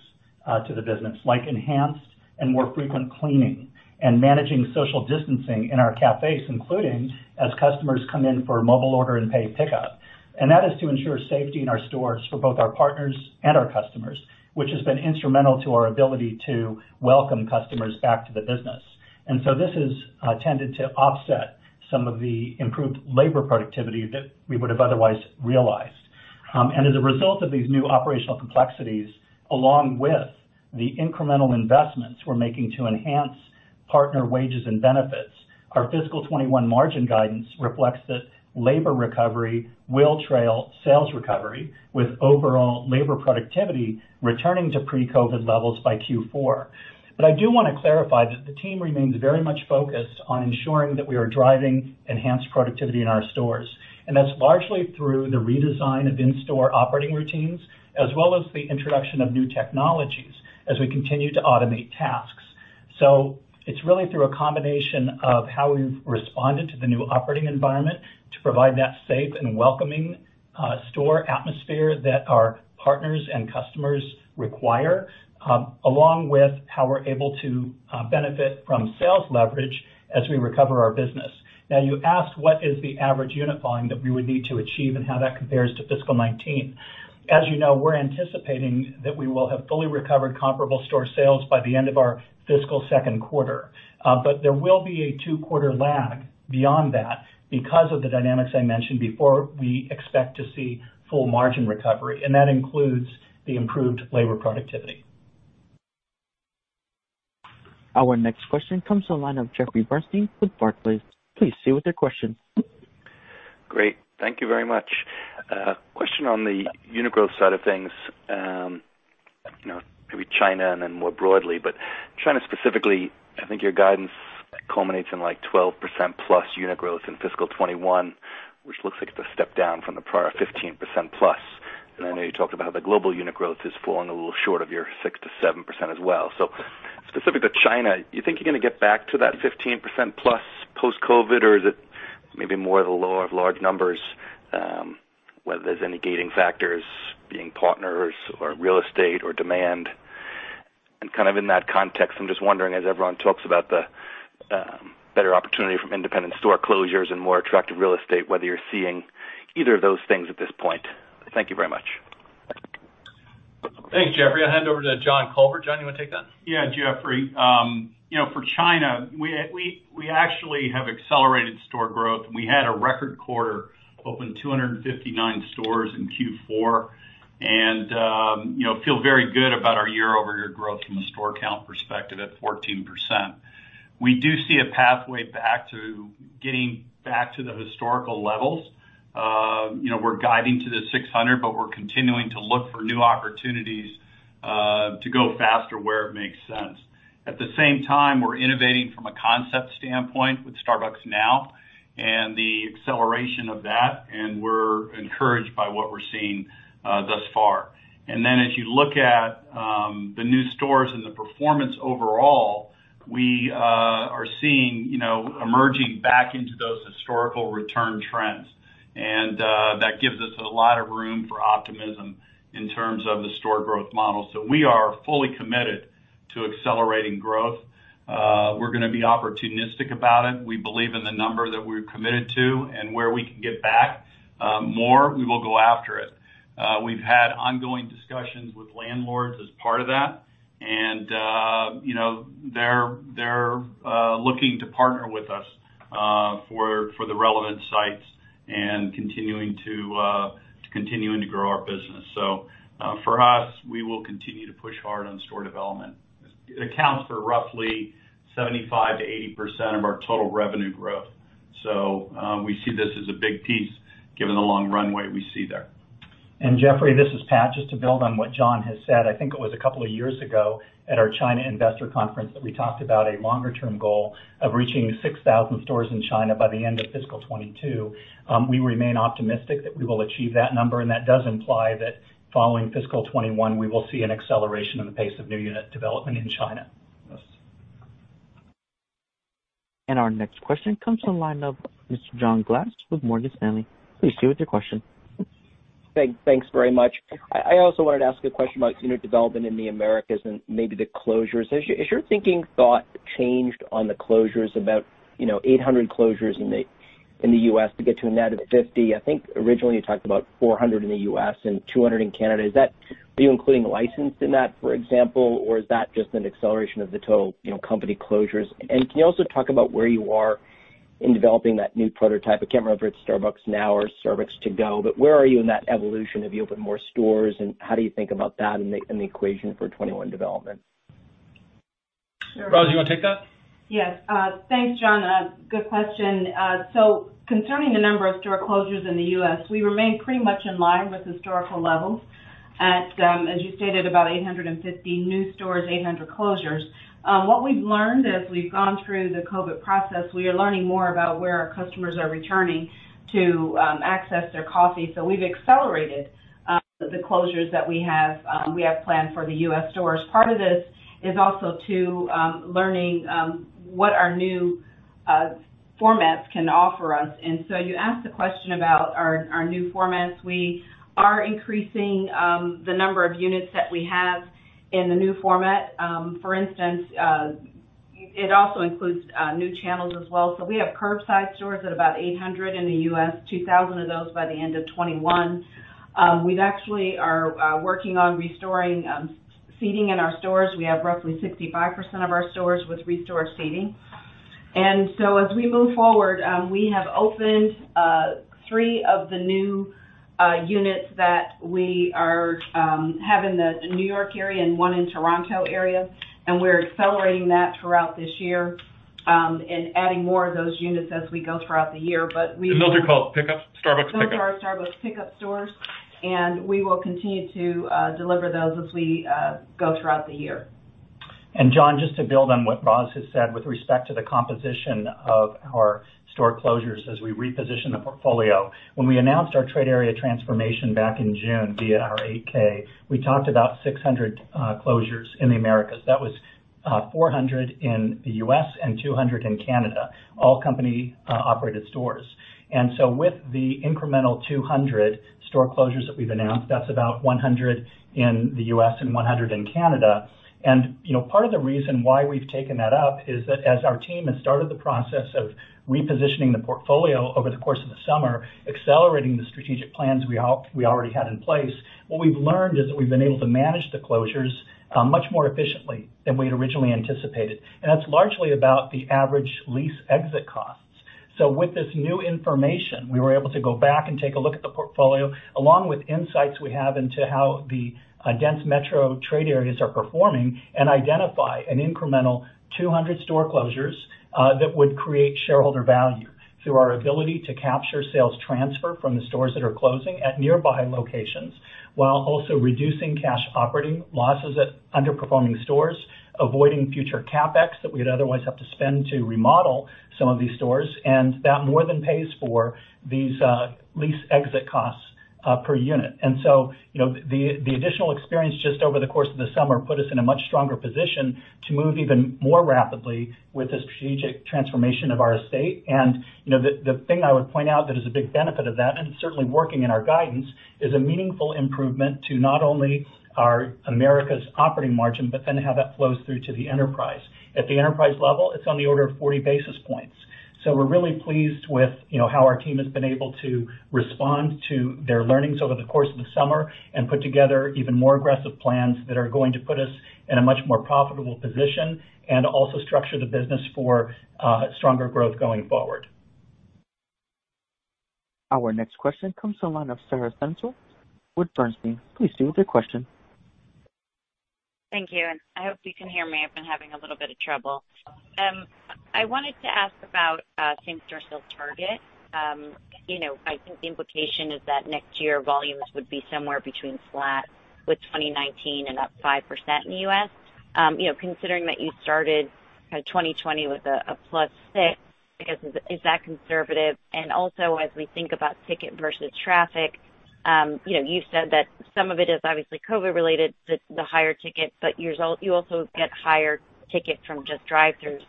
to the business, like enhanced and more frequent cleaning and managing social distancing in our cafes, including as customers come in for mobile order and pay pickup. That is to ensure safety in our stores for both our partners and our customers, which has been instrumental to our ability to welcome customers back to the business. This has tended to offset some of the improved labor productivity that we would have otherwise realized. As a result of these new operational complexities, along with the incremental investments we're making to enhance partner wages and benefits, our fiscal 2021 margin guidance reflects that labor recovery will trail sales recovery, with overall labor productivity returning to pre-COVID levels by Q4. I do want to clarify that the team remains very much focused on ensuring that we are driving enhanced productivity in our stores. That's largely through the redesign of in-store operating routines, as well as the introduction of new technologies as we continue to automate tasks. It's really through a combination of how we've responded to the new operating environment to provide that safe and welcoming store atmosphere that our partners and customers require, along with how we're able to benefit from sales leverage as we recover our business. Now you asked what is the average unit volume that we would need to achieve and how that compares to fiscal 2019. As you know, we're anticipating that we will have fully recovered comparable store sales by the end of our fiscal second quarter. But there will be a two-quarter lag beyond that because of the dynamics I mentioned before, we expect to see full margin recovery, and that includes the improved labor productivity. Our next question comes from the line of Jeffrey Bernstein with Barclays. Please stay with your question. Great. Thank you very much. Question on the unit growth side of things. Maybe China and then more broadly. China specifically, I think your guidance culminates in like 12%+ unit growth in fiscal 2021, which looks like it's a step down from the prior 15%+. I know you talked about how the global unit growth is falling a little short of your 6%-7% as well. Specific to China, you think you're going to get back to that 15%+ post-COVID, or is it maybe more the law of large numbers, whether there's any gating factors being partners or real estate or demand? In that context, I'm just wondering, as everyone talks about the better opportunity from independent store closures and more attractive real estate, whether you're seeing either of those things at this point. Thank you very much. Thanks, Jeffrey. I'll hand over to John Culver. John, you want to take that? Jeffrey. For China, we actually have accelerated store growth, and we had a record quarter, opened 259 stores in Q4. Feel very good about our year-over-year growth from a store count perspective at 14%. We do see a pathway back to getting back to the historical levels. We're guiding to the 600, but we're continuing to look for new opportunities to go faster where it makes sense. At the same time, we're innovating from a concept standpoint with Starbucks Now and the acceleration of that, and we're encouraged by what we're seeing thus far. As you look at the new stores and the performance overall, we are seeing emerging back into those historical return trends. That gives us a lot of room for optimism in terms of the store growth model. We are fully committed to accelerating growth. We're going to be opportunistic about it. We believe in the number that we're committed to, and where we can get back more, we will go after it. We've had ongoing discussions with landlords as part of that, and they're looking to partner with us for the relevant sites and continuing to grow our business. For us, we will continue to push hard on store development. It accounts for roughly 75%-80% of our total revenue growth. We see this as a big piece given the long runway we see there. Jeffrey, this is Pat. Just to build on what John has said, I think it was a couple of years ago at our China investor conference that we talked about a longer-term goal of reaching 6,000 stores in China by the end of FY 2022. We remain optimistic that we will achieve that number, and that does imply that following FY 2021, we will see an acceleration in the pace of new unit development in China. Our next question comes from the line of Mr. John Glass with Morgan Stanley. Please stay with your question. Thanks very much. I also wanted to ask a question about unit development in the Americas and maybe the closures. Has your thinking changed on the closures about 800 closures in the U.S. to get to a net of 50? I think originally you talked about 400 in the U.S. and 200 in Canada. Are you including licensed in that, for example? Or is that just an acceleration of the total company closures? Can you also talk about where you are in developing that new prototype? I can't remember if it's Starbucks Now or Starbucks To Go. Where are you in that evolution? Have you opened more stores, and how do you think about that in the equation for 2021 development? Roz, you want to take that? Yes. Thanks, John. Good question. Concerning the number of store closures in the U.S., we remain pretty much in line with historical levels at, as you stated, about 850 new stores, 800 closures. What we've learned as we've gone through the COVID process, we are learning more about where our customers are returning to access their coffee. We've accelerated the closures that we have planned for the U.S. stores. Part of this is also to learning what our new formats can offer us. You asked the question about our new formats. We are increasing the number of units that we have in the new format. For instance, it also includes new channels as well. We have curbside stores at about 800 in the U.S., 2,000 of those by the end of 2021. We actually are working on restoring seating in our stores. We have roughly 65% of our stores with restored seating. As we move forward, we have opened three of the new units that we are having the New York area and one in Toronto area, and we're accelerating that throughout this year, and adding more of those units as we go throughout the year. Those are called pickups, Starbucks Pickups. Those are our Starbucks Pick Up stores. We will continue to deliver those as we go throughout the year. John, just to build on what Roz has said with respect to the composition of our store closures as we reposition the portfolio, when we announced our trade area transformation back in June via our 8-K, we talked about 600 closures in the Americas. That was 400 in the U.S. and 200 in Canada, all company-operated stores. With the incremental 200 store closures that we've announced, that's about 100 in the U.S. and 100 in Canada. Part of the reason why we've taken that up is that as our team has started the process of repositioning the portfolio over the course of the summer, accelerating the strategic plans we already had in place, what we've learned is that we've been able to manage the closures much more efficiently than we had originally anticipated. That's largely about the average lease exit costs. With this new information, we were able to go back and take a look at the portfolio, along with insights we have into how the dense metro trade areas are performing and identify an incremental 200 store closures, that would create shareholder value through our ability to capture sales transfer from the stores that are closing at nearby locations, while also reducing cash operating losses at underperforming stores, avoiding future CapEx that we'd otherwise have to spend to remodel some of these stores, and that more than pays for these lease exit costs per unit. The additional experience just over the course of the summer put us in a much stronger position to move even more rapidly with the strategic transformation of our estate. The thing I would point out that is a big benefit of that, and it's certainly working in our guidance, is a meaningful improvement to not only our Americas operating margin, but then how that flows through to the enterprise. At the enterprise level, it's on the order of 40 basis points. We're really pleased with how our team has been able to respond to their learnings over the course of the summer and put together even more aggressive plans that are going to put us in a much more profitable position and also structure the business for stronger growth going forward. Our next question comes from the line of Sara Senatore with Bernstein. Please do with your question. Thank you, and I hope you can hear me. I've been having a little bit of trouble. I wanted to ask about same-store sales target. I think the implication is that next year volumes would be somewhere between flat with 2019 and up 5% in the U.S. Considering that you started kind of 2020 with a +6, I guess, is that conservative? Also, as we think about ticket versus traffic, you've said that some of it is obviously COVID related to the higher ticket, but you also get higher ticket from just drive-throughs.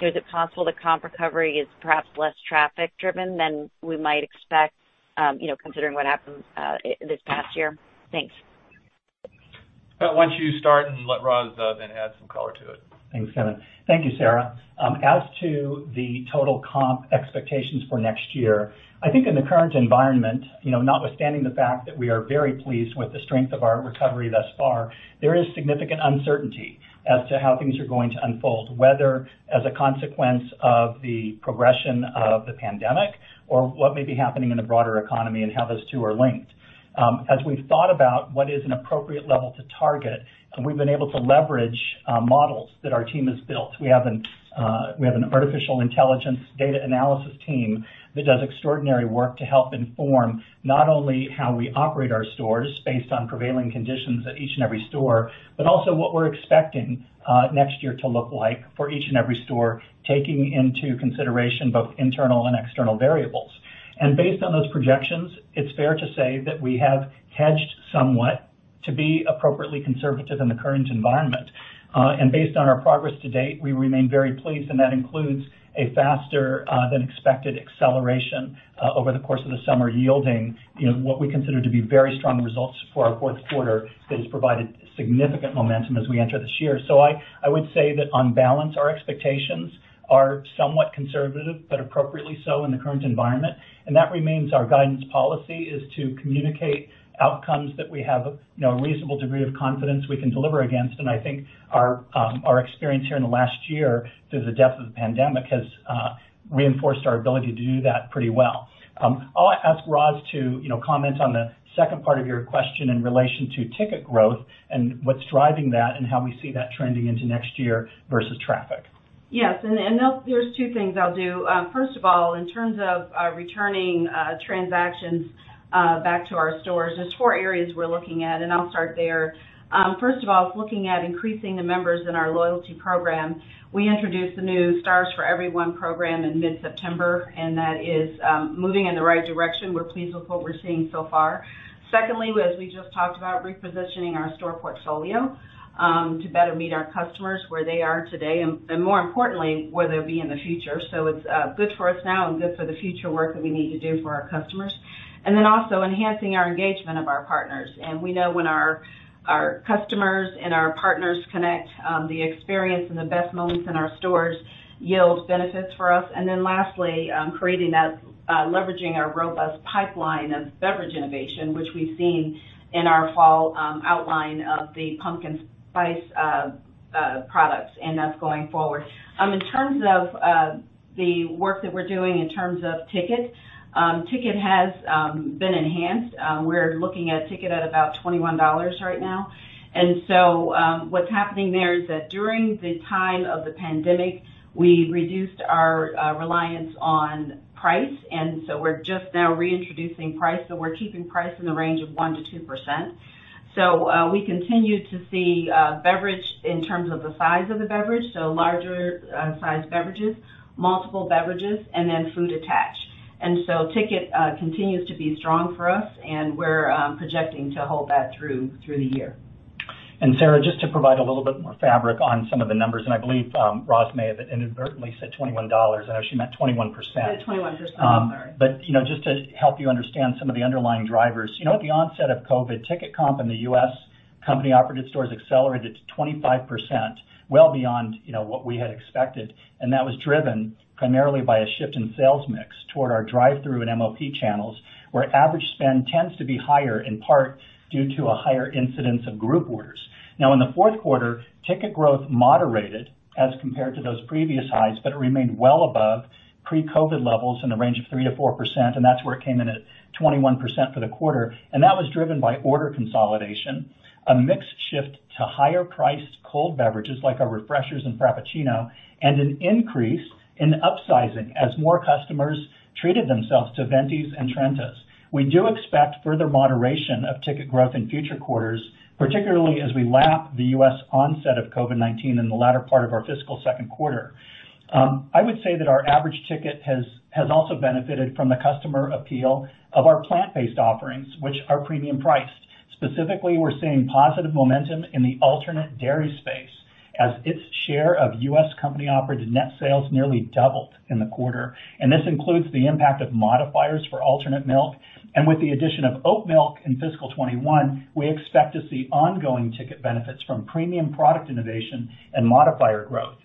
Is it possible the comp recovery is perhaps less traffic driven than we might expect, considering what happened this past year? Thanks. Why don't you start and let Roz then add some color to it. Thanks, Kevin. Thank you, Sara. As to the total comp expectations for next year, I think in the current environment, notwithstanding the fact that we are very pleased with the strength of our recovery thus far, there is significant uncertainty as to how things are going to unfold, whether as a consequence of the progression of the pandemic or what may be happening in the broader economy and how those two are linked. As we've thought about what is an appropriate level to target, and we've been able to leverage models that our team has built. We have an artificial intelligence data analysis team that does extraordinary work to help inform not only how we operate our stores based on prevailing conditions at each and every store, but also what we're expecting next year to look like for each and every store, taking into consideration both internal and external variables. Based on those projections, it's fair to say that we have hedged somewhat to be appropriately conservative in the current environment. Based on our progress to date, we remain very pleased, and that includes a faster than expected acceleration, over the course of the summer, yielding what we consider to be very strong results for our fourth quarter that has provided significant momentum as we enter this year. I would say that on balance, our expectations are somewhat conservative, but appropriately so in the current environment. That remains our guidance policy, is to communicate outcomes that we have a reasonable degree of confidence we can deliver against. I think our experience here in the last year through the depth of the pandemic has reinforced our ability to do that pretty well. I'll ask Roz to comment on the second part of your question in relation to ticket growth and what's driving that and how we see that trending into next year versus traffic. Yes. There's two things I'll do. First of all, in terms of returning transactions back to our stores, there's four areas we're looking at. I'll start there. First of all, looking at increasing the members in our loyalty program. We introduced the new Stars for Everyone program in mid-September. That is moving in the right direction. We're pleased with what we're seeing so far. Secondly, as we just talked about, repositioning our store portfolio, to better meet our customers where they are today and more importantly, where they'll be in the future. It's good for us now and good for the future work that we need to do for our customers. Then also enhancing our engagement of our partners. We know when our customers and our partners connect, the experience and the best moments in our stores yield benefits for us. Lastly, creating that, leveraging our robust pipeline of beverage innovation, which we've seen in our fall outline of the Pumpkin Spice products, and that's going forward. In terms of the work that we're doing in terms of ticket has been enhanced. We're looking at ticket at about $21 right now. What's happening there is that during the time of the pandemic, we reduced our reliance on price, and so we're just now reintroducing price. We're keeping price in the range of 1%-2%. We continue to see beverage in terms of the size of the beverage, so larger sized beverages, multiple beverages, and then food attach. Ticket continues to be strong for us, and we're projecting to hold that through the year. Sara, just to provide a little bit more fabric on some of the numbers, I believe Roz may have inadvertently said $21, and she meant 21%. Yeah, 21%, sorry. Just to help you understand some of the underlying drivers. At the onset of COVID, ticket comp in the U.S. company operated stores accelerated to 25%, well beyond what we had expected. That was driven primarily by a shift in sales mix toward our drive-through and MOP channels, where average spend tends to be higher, in part due to a higher incidence of group orders. Now in the fourth quarter, ticket growth moderated as compared to those previous highs, but it remained well above pre-COVID levels in the range of 3%-4%, and that's where it came in at 21% for the quarter. That was driven by order consolidation, a mix shift to higher priced cold beverages like our Refreshers and Frappuccino, and an increase in upsizing as more customers treated themselves to Ventis and Trentas. We do expect further moderation of ticket growth in future quarters, particularly as we lap the U.S. onset of COVID-19 in the latter part of our fiscal second quarter. I would say that our average ticket has also benefited from the customer appeal of our plant-based offerings, which are premium priced. Specifically, we're seeing positive momentum in the alternate dairy space as its share of U.S. company operated net sales nearly doubled in the quarter, and this includes the impact of modifiers for alternate milk. With the addition of oat milk in fiscal 2021, we expect to see ongoing ticket benefits from premium product innovation and modifier growth.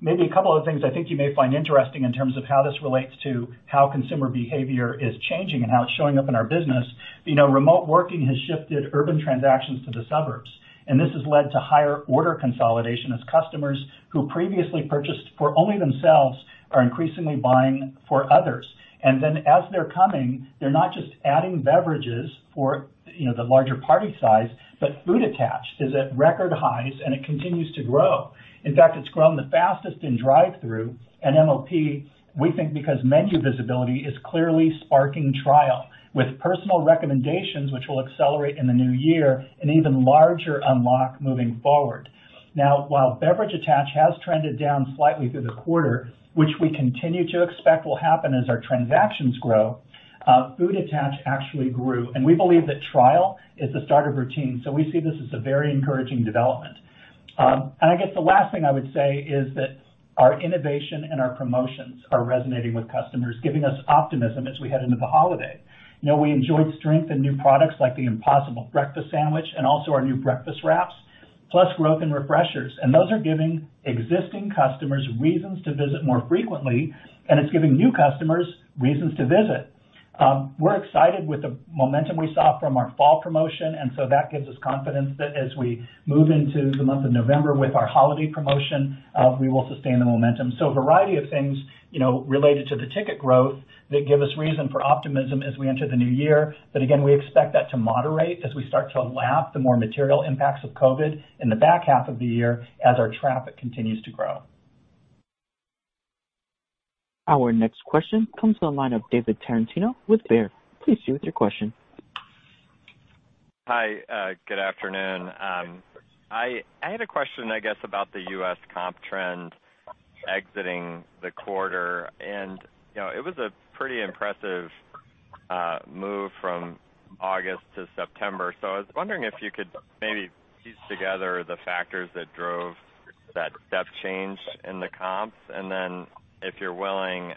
Maybe a couple of things I think you may find interesting in terms of how this relates to how consumer behavior is changing and how it's showing up in our business. Remote working has shifted urban transactions to the suburbs, and this has led to higher order consolidation as customers who previously purchased for only themselves are increasingly buying for others. As they're coming, they're not just adding beverages for the larger party size, but food attach is at record highs, and it continues to grow. In fact, it's grown the fastest in drive-through and MOP, we think because menu visibility is clearly sparking trial with personal recommendations, which will accelerate in the new year, an even larger unlock moving forward. Now, while beverage attach has trended down slightly through the quarter, which we continue to expect will happen as our transactions grow, food attach actually grew, and we believe that trial is the start of routine. We see this as a very encouraging development. I guess the last thing I would say is that our innovation and our promotions are resonating with customers, giving us optimism as we head into the holiday. We enjoyed strength in new products like the Impossible Breakfast Sandwich and also our new breakfast wraps, plus growth in Refreshers. Those are giving existing customers reasons to visit more frequently, and it's giving new customers reasons to visit. We're excited with the momentum we saw from our fall promotion, that gives us confidence that as we move into the month of November with our holiday promotion, we will sustain the momentum. A variety of things related to the ticket growth that give us reason for optimism as we enter the new year. Again, we expect that to moderate as we start to lap the more material impacts of COVID in the back half of the year as our traffic continues to grow. Our next question comes to the line of David Tarantino with Baird. Please proceed with your question. Hi. Good afternoon. I had a question, I guess, about the U.S. comp trend exiting the quarter. It was a pretty impressive move from August to September. I was wondering if you could maybe piece together the factors that drove that step change in the comps. If you're willing,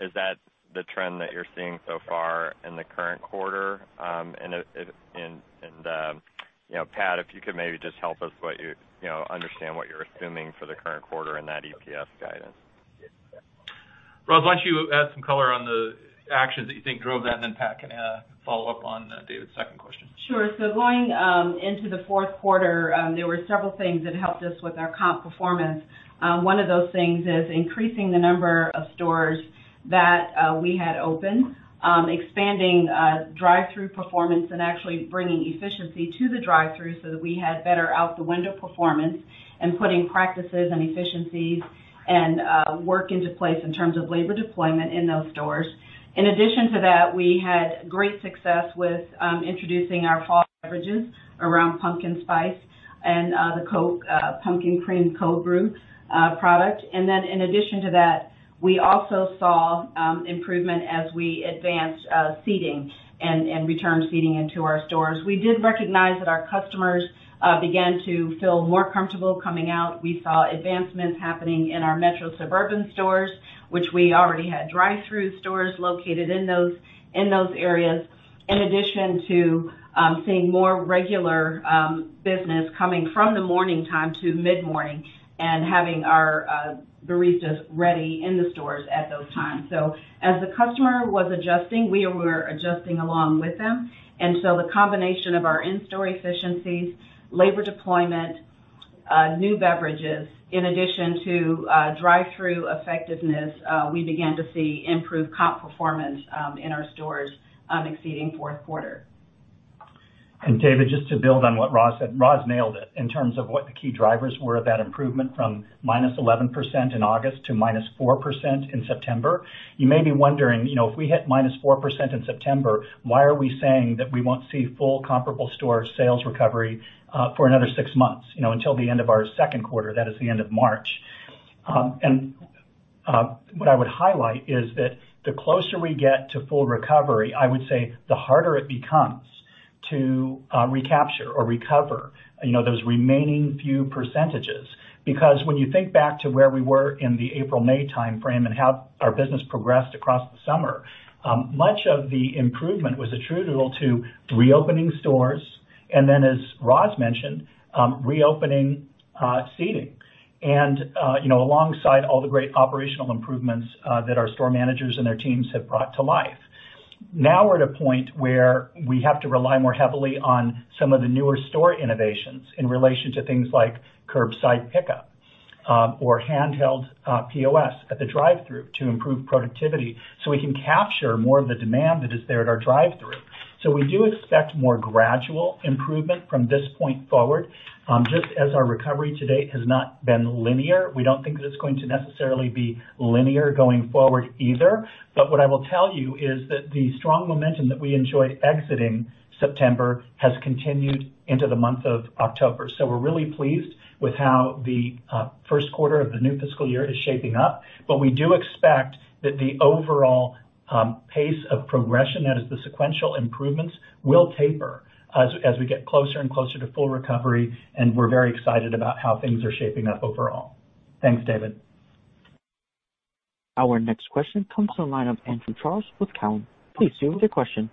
is that the trend that you're seeing so far in the current quarter? Pat, if you could maybe just help us understand what you're assuming for the current quarter in that EPS guidance. Roz, why don't you add some color on the actions that you think drove that, and then Pat can follow up on David's second question. Sure. Going into the fourth quarter, there were several things that helped us with our comp performance. One of those things is increasing the number of stores that we had open, expanding drive-through performance, and actually bringing efficiency to the drive-through so that we had better out the window performance, and putting practices and efficiencies and work into place in terms of labor deployment in those stores. In addition to that, we had great success with introducing our fall beverages around Pumpkin Spice and the Pumpkin Cream Cold Brew product. In addition to that, we also saw improvement as we advanced seating and returned seating into our stores. We did recognize that our customers began to feel more comfortable coming out. We saw advancements happening in our metro suburban stores, which we already had drive-through stores located in those areas. In addition to seeing more regular business coming from the morning time to mid-morning and having our baristas ready in the stores at those times. As the customer was adjusting, we were adjusting along with them. The combination of our in-store efficiencies, labor deployment, new beverages, in addition to drive-through effectiveness, we began to see improved comp performance in our stores exceeding fourth quarter. David, just to build on what Roz said, Roz nailed it in terms of what the key drivers were of that improvement from -11% in August to -4% in September. You may be wondering, if we hit -4% in September, why are we saying that we won't see full comparable store sales recovery for another six months, until the end of our second quarter, that is, the end of March? What I would highlight is that the closer we get to full recovery, I would say, the harder it becomes to recapture or recover those remaining few percentages. When you think back to where we were in the April-May timeframe and how our business progressed across the summer, much of the improvement was attributable to reopening stores. As Roz mentioned, reopening seating. Alongside all the great operational improvements that our store managers and their teams have brought to life. We're at a point where we have to rely more heavily on some of the newer store innovations in relation to things like curbside pickup or handheld POS at the drive-through to improve productivity so we can capture more of the demand that is there at our drive-through. We do expect more gradual improvement from this point forward. Just as our recovery to date has not been linear, we don't think that it's going to necessarily be linear going forward either. What I will tell you is that the strong momentum that we enjoy exiting September has continued into the month of October. We're really pleased with how the first quarter of the new fiscal year is shaping up. We do expect that the overall pace of progression, that is, the sequential improvements, will taper as we get closer and closer to full recovery, and we're very excited about how things are shaping up overall. Thanks, David. Our next question comes from the line of Andrew Charles with Cowen. Please go ahead with your question.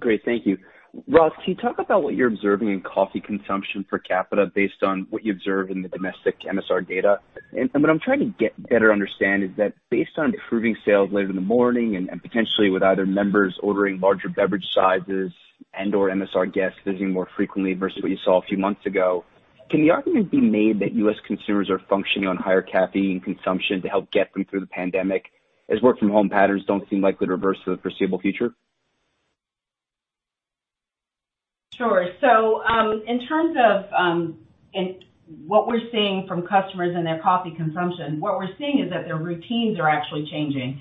Great. Thank you. Roz, can you talk about what you're observing in coffee consumption per capita based on what you observe in the domestic MSR data? What I'm trying to get better understand is that based on improving sales later in the morning and potentially with either members ordering larger beverage sizes and/or MSR guests visiting more frequently versus what you saw a few months ago, can the argument be made that U.S. consumers are functioning on higher caffeine consumption to help get them through the pandemic, as work from home patterns don't seem likely to reverse for the foreseeable future? Sure. In terms of what we're seeing from customers and their coffee consumption, what we're seeing is that their routines are actually changing.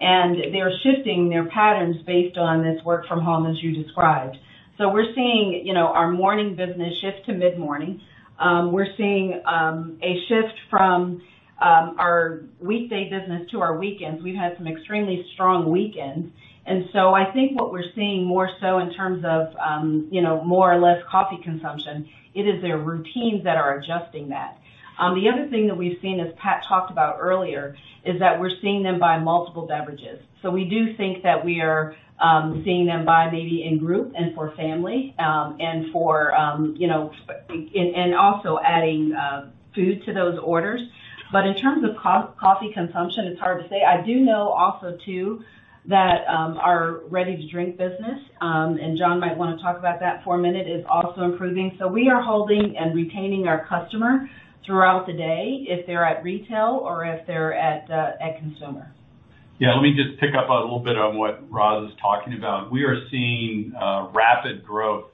They're shifting their patterns based on this work from home as you described. We're seeing our morning business shift to mid-morning. We're seeing a shift from our weekday business to our weekends. We've had some extremely strong weekends. I think what we're seeing more so in terms of more or less coffee consumption, it is their routines that are adjusting that. The other thing that we've seen, as Pat talked about earlier, is that we're seeing them buy multiple beverages. We do think that we are seeing them buy maybe in group and for family, and also adding food to those orders. In terms of coffee consumption, it's hard to say. I do know also too that our ready-to-drink business, and John might want to talk about that for a minute, is also improving. We are holding and retaining our customer throughout the day if they're at retail or if they're at consumer. Yeah, let me just pick up a little bit on what Roz was talking about. We are seeing rapid growth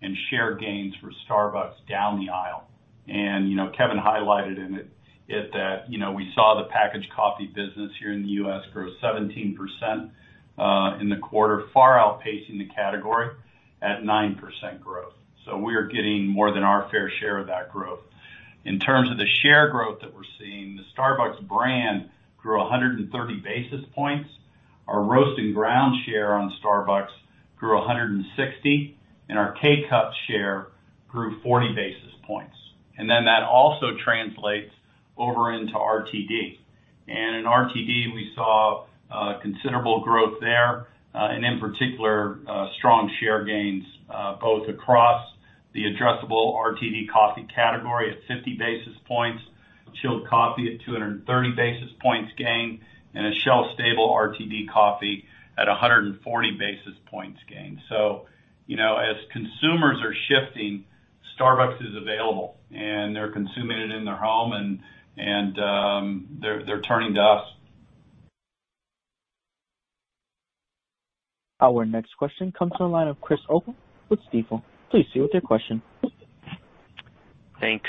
in share gains for Starbucks down the aisle. Kevin highlighted it that we saw the packaged coffee business here in the U.S. grow 17% in the quarter, far outpacing the category at 9% growth. We are getting more than our fair share of that growth. In terms of the share growth that we're seeing, the Starbucks brand grew 130 basis points. Our roast and ground share on Starbucks grew 160, and our K-Cup share grew 40 basis points. That also translates over into RTD. In RTD, we saw considerable growth there. In particular, strong share gains both across the addressable RTD coffee category at 50 basis points, chilled coffee at 230 basis points gain, and a shelf stable RTD coffee at 140 basis points gain. As consumers are shifting, Starbucks is available, and they're consuming it in their home and they're turning to us. Our next question comes from the line of Chris O'Cull with Stifel. Please proceed with your question. Thanks.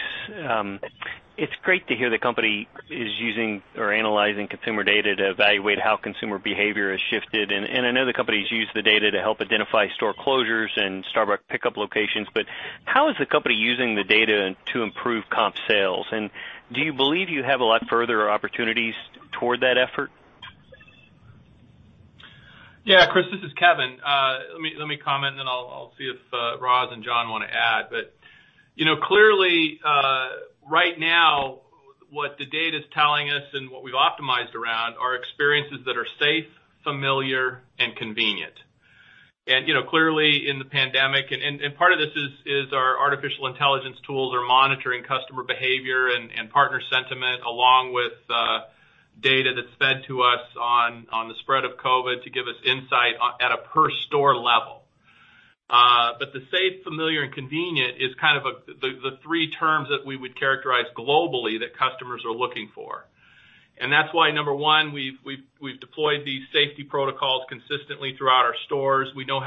It's great to hear the company is using or analyzing consumer data to evaluate how consumer behavior has shifted. I know the company's used the data to help identify store closures and Starbucks Pick Up locations, but how is the company using the data to improve comp sales? Do you believe you have a lot further opportunities toward that effort? Chris, this is Kevin. Let me comment, then I'll see if Roz and John want to add. Clearly, right now what the data's telling us and what we've optimized around are experiences that are safe, familiar, and convenient. Clearly in the pandemic, and part of this is our artificial intelligence tools are monitoring customer behavior and partner sentiment along with data that's fed to us on the spread of COVID to give us insight at a per store level. The safe, familiar, and convenient is kind of the three terms that we would characterize globally that customers are looking for. That's why, number one, we've deployed these safety protocols consistently throughout our stores. We know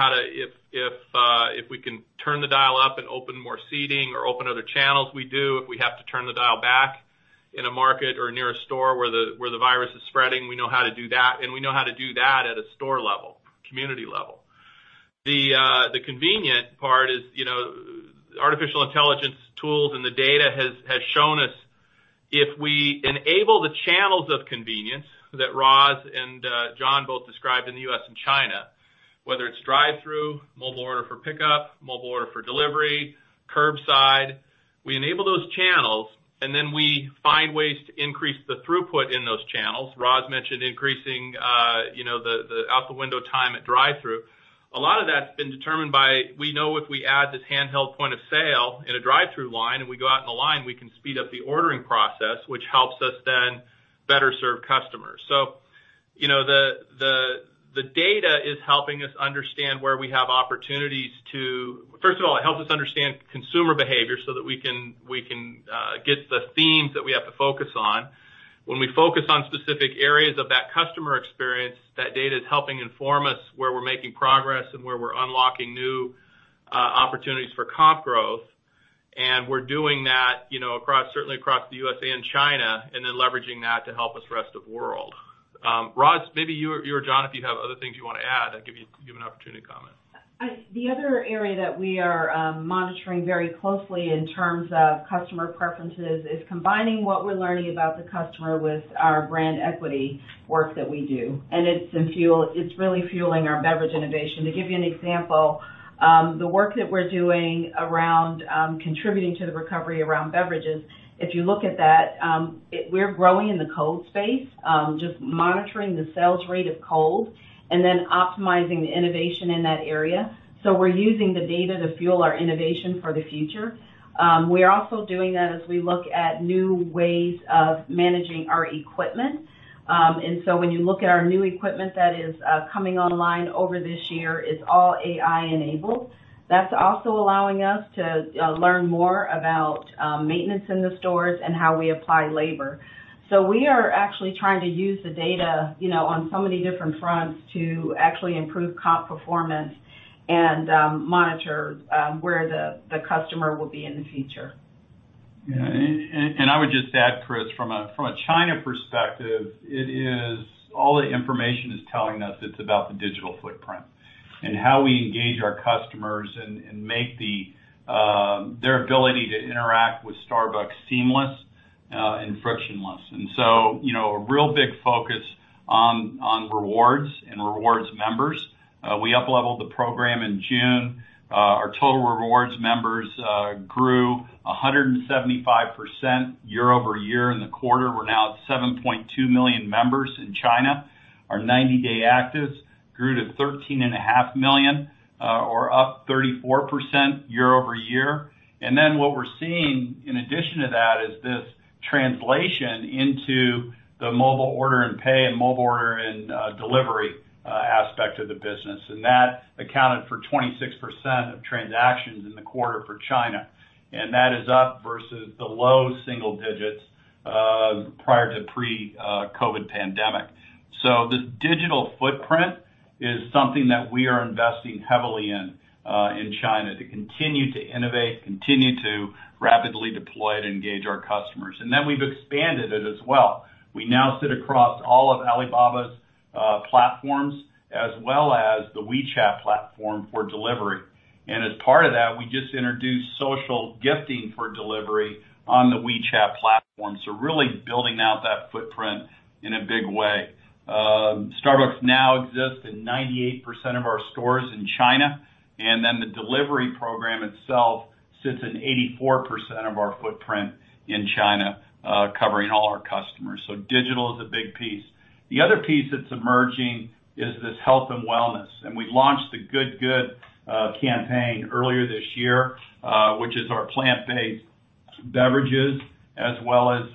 if we can turn the dial up and open more seating or open other channels, we do. If we have to turn the dial back in a market or near a store where the virus is spreading, we know how to do that, and we know how to do that at a store level, community level. The convenient part is, artificial intelligence tools and the data has shown us if we enable the channels of convenience that Roz and John both described in the U.S. and China, whether it's drive-through, mobile order for pickup, mobile order for delivery, curbside. We enable those channels, and then we find ways to increase the throughput in those channels. Roz mentioned increasing the out-the-window time at drive-through. A lot of that's been determined by, we know if we add this handheld point of sale in a drive-through line, and we go out in the line, we can speed up the ordering process, which helps us then better serve customers. The data is helping us understand. First of all, it helps us understand consumer behavior so that we can get the themes that we have to focus on. When we focus on specific areas of that customer experience, that data is helping inform us where we're making progress and where we're unlocking new opportunities for comp growth. We're doing that certainly across the USA and China, leveraging that to help us the rest of the world. Roz, maybe you or John, if you have other things you want to add, I'll give you an opportunity to comment. The other area that we are monitoring very closely in terms of customer preferences is combining what we're learning about the customer with our brand equity work that we do. It's really fueling our beverage innovation. To give you an example, the work that we're doing around contributing to the recovery around beverages, if you look at that, we're growing in the cold space, just monitoring the sales rate of cold and then optimizing the innovation in that area. We're using the data to fuel our innovation for the future. We're also doing that as we look at new ways of managing our equipment. When you look at our new equipment that is coming online over this year, it's all AI enabled. That's also allowing us to learn more about maintenance in the stores and how we apply labor. We are actually trying to use the data on so many different fronts to actually improve comp performance and monitor where the customer will be in the future. Yeah. I would just add, Chris, from a China perspective, all the information is telling us it's about the digital footprint and how we engage our customers and make their ability to interact with Starbucks seamless and frictionless. A real big focus on Rewards and rewards members. We upleveled the program in June. Our total Rewards members grew 175% year-over-year in the quarter. We're now at 7.2 million members in China. Our 90-day actives grew to 13.5 million, or up 34% year-over-year. What we're seeing in addition to that is this translation into the Mobile Order & Pay and mobile order and delivery aspect of the business. That accounted for 26% of transactions in the quarter for China. That is up versus the low single digits, prior to pre-COVID pandemic. The digital footprint is something that we are investing heavily in China to continue to innovate, continue to rapidly deploy it, engage our customers. We've expanded it as well. We now sit across all of Alibaba's platforms as well as the WeChat platform for delivery. As part of that, we just introduced social gifting for delivery on the WeChat platform. Really building out that footprint in a big way. Starbucks Now exists in 98% of our stores in China, and then the delivery program itself sits in 84% of our footprint in China, covering all our customers. Digital is a big piece. The other piece that's emerging is this health and wellness, and we launched the GOOD GOOD campaign earlier this year, which is our plant-based beverages as well as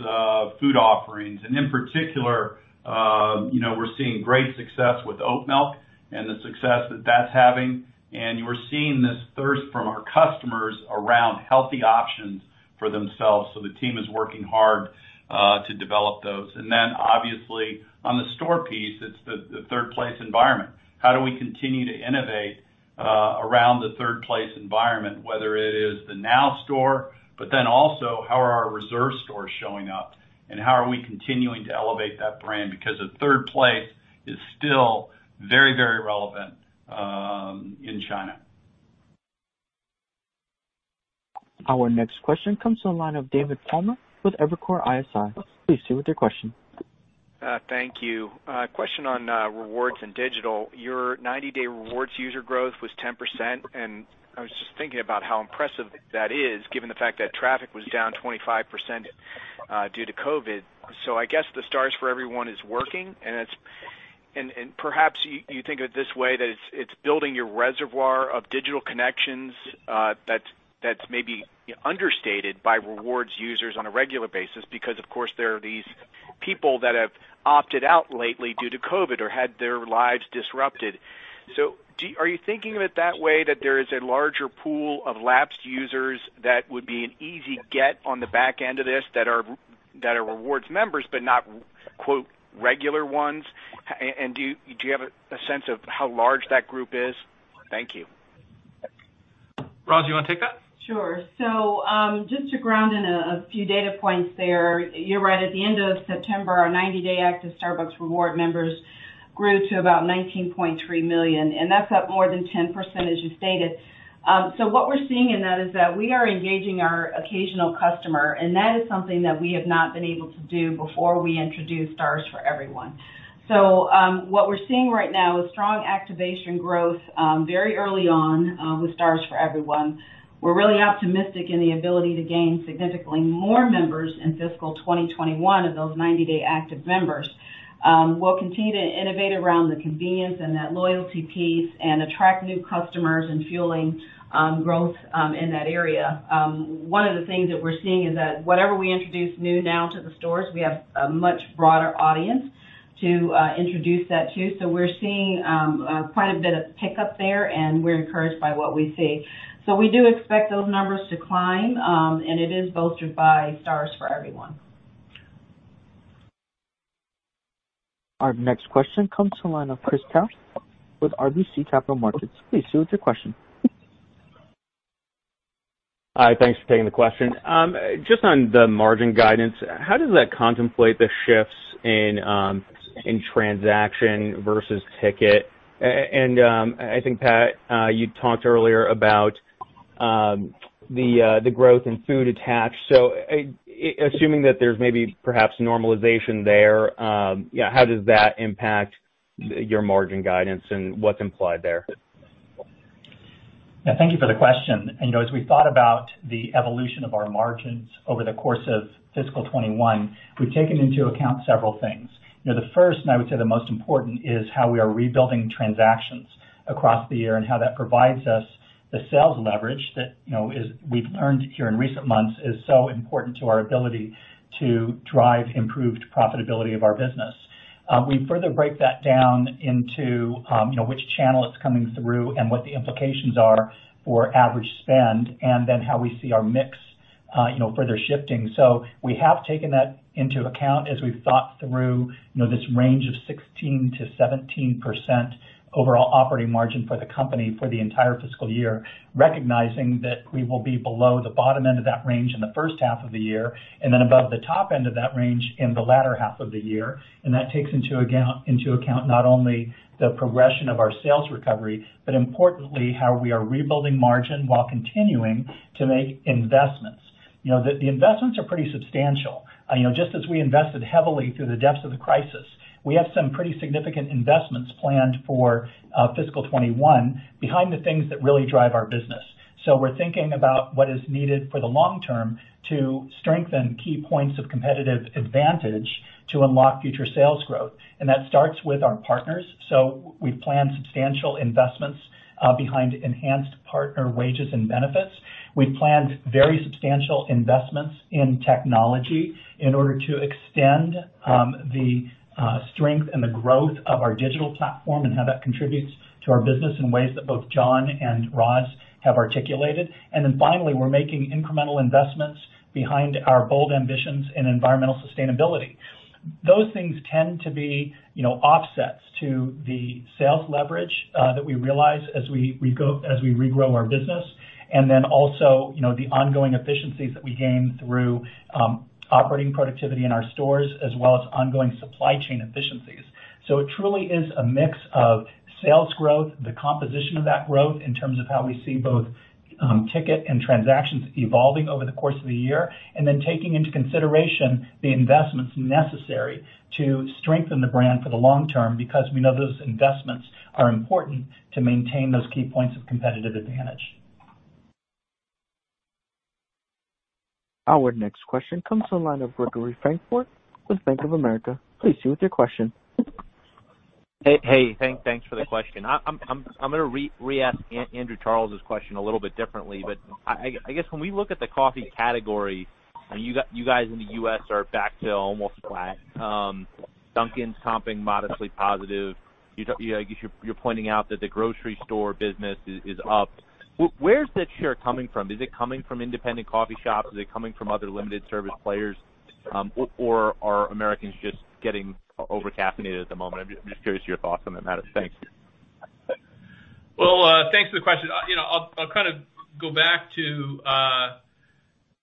food offerings. In particular, we're seeing great success with oat milk and the success that that's having. We're seeing this thirst from our customers around healthy options for themselves. The team is working hard to develop those. Obviously on the store piece, it's the third place environment. How do we continue to innovate around the third place environment, whether it is the Now store, but then also how are our Reserve stores showing up and how are we continuing to elevate that brand? Because the third place is still very relevant in China. Our next question comes to the line of David Palmer with Evercore ISI. Please proceed with your question. Thank you. Question on rewards and digital. Your 90-day rewards user growth was 10%. I was just thinking about how impressive that is given the fact that traffic was down 25% due to COVID. I guess the Stars for Everyone is working, and perhaps you think of it this way, that it's building your reservoir of digital connections, that's maybe understated by rewards users on a regular basis because of course, there are these people that have opted out lately due to COVID or had their lives disrupted. Are you thinking of it that way, that there is a larger pool of lapsed users that would be an easy get on the back end of this, that are rewards members, but not, quote, "regular ones"? Do you have a sense of how large that group is? Thank you. Roz, you want to take that? Sure. Just to ground in a few data points there, you're right. At the end of September, our 90-day active Starbucks Rewards members grew to about 19.3 million, and that's up more than 10%, as you stated. What we're seeing in that is that we are engaging our occasional customer, and that is something that we have not been able to do before we introduced Stars for Everyone. What we're seeing right now is strong activation growth very early on with Stars for Everyone. We're really optimistic in the ability to gain significantly more members in fiscal 2021 of those 90-day active members. We'll continue to innovate around the convenience and that loyalty piece and attract new customers in fueling growth in that area. One of the things that we're seeing is that whatever we introduce new now to the stores, we have a much broader audience to introduce that to. We're seeing quite a bit of pickup there, and we're encouraged by what we see. We do expect those numbers to climb, and it is bolstered by Stars for Everyone. Our next question comes to the line of Chris Carril with RBC Capital Markets. Please proceed with your question. Hi, thanks for taking the question. Just on the margin guidance, how does that contemplate the shifts in transaction versus ticket? I think, Pat, you talked earlier about the growth in food attached. Assuming that there's maybe perhaps normalization there, how does that impact your margin guidance, and what's implied there? Yeah, thank you for the question. As we thought about the evolution of our margins over the course of fiscal 2021, we've taken into account several things. The first, and I would say the most important, is how we are rebuilding transactions across the year and how that provides us the sales leverage that we've learned here in recent months is so important to our ability to drive improved profitability of our business. We further break that down into which channel it's coming through and what the implications are for average spend, and then how we see our mix further shifting. We have taken that into account as we've thought through this range of 16%-17% overall operating margin for the company for the entire fiscal year, recognizing that we will be below the bottom end of that range in the first half of the year, and then above the top end of that range in the latter half of the year. That takes into account not only the progression of our sales recovery, but importantly, how we are rebuilding margin while continuing to make investments. The investments are pretty substantial. Just as we invested heavily through the depths of the crisis, we have some pretty significant investments planned for fiscal 2021 behind the things that really drive our business. We're thinking about what is needed for the long term to strengthen key points of competitive advantage to unlock future sales growth. That starts with our partners. We've planned substantial investments behind enhanced partner wages and benefits. We've planned very substantial investments in technology in order to extend the strength and the growth of our digital platform and how that contributes to our business in ways that both John and Roz have articulated. Finally, we're making incremental investments behind our bold ambitions in environmental sustainability. Those things tend to be offsets to the sales leverage that we realize as we regrow our business. Also, the ongoing efficiencies that we gain through operating productivity in our stores, as well as ongoing supply chain efficiencies. It truly is a mix of sales growth, the composition of that growth in terms of how we see both ticket and transactions evolving over the course of the year, and then taking into consideration the investments necessary to strengthen the brand for the long term, because we know those investments are important to maintain those key points of competitive advantage. Our next question comes to the line of Gregory Francfort with Bank of America. Please proceed with your question. Hey. Thanks for the question. I'm going to re-ask Andrew Charles' question a little bit differently, but I guess when we look at the coffee category, and you guys in the U.S. are back to almost flat. Dunkin' comping modestly positive. I guess you're pointing out that the grocery store business is up. Where's the share coming from? Is it coming from independent coffee shops? Is it coming from other limited service players? Or are Americans just getting over-caffeinated at the moment? I'm just curious to your thoughts on that matter. Thanks. Thanks for the question. I'll go back to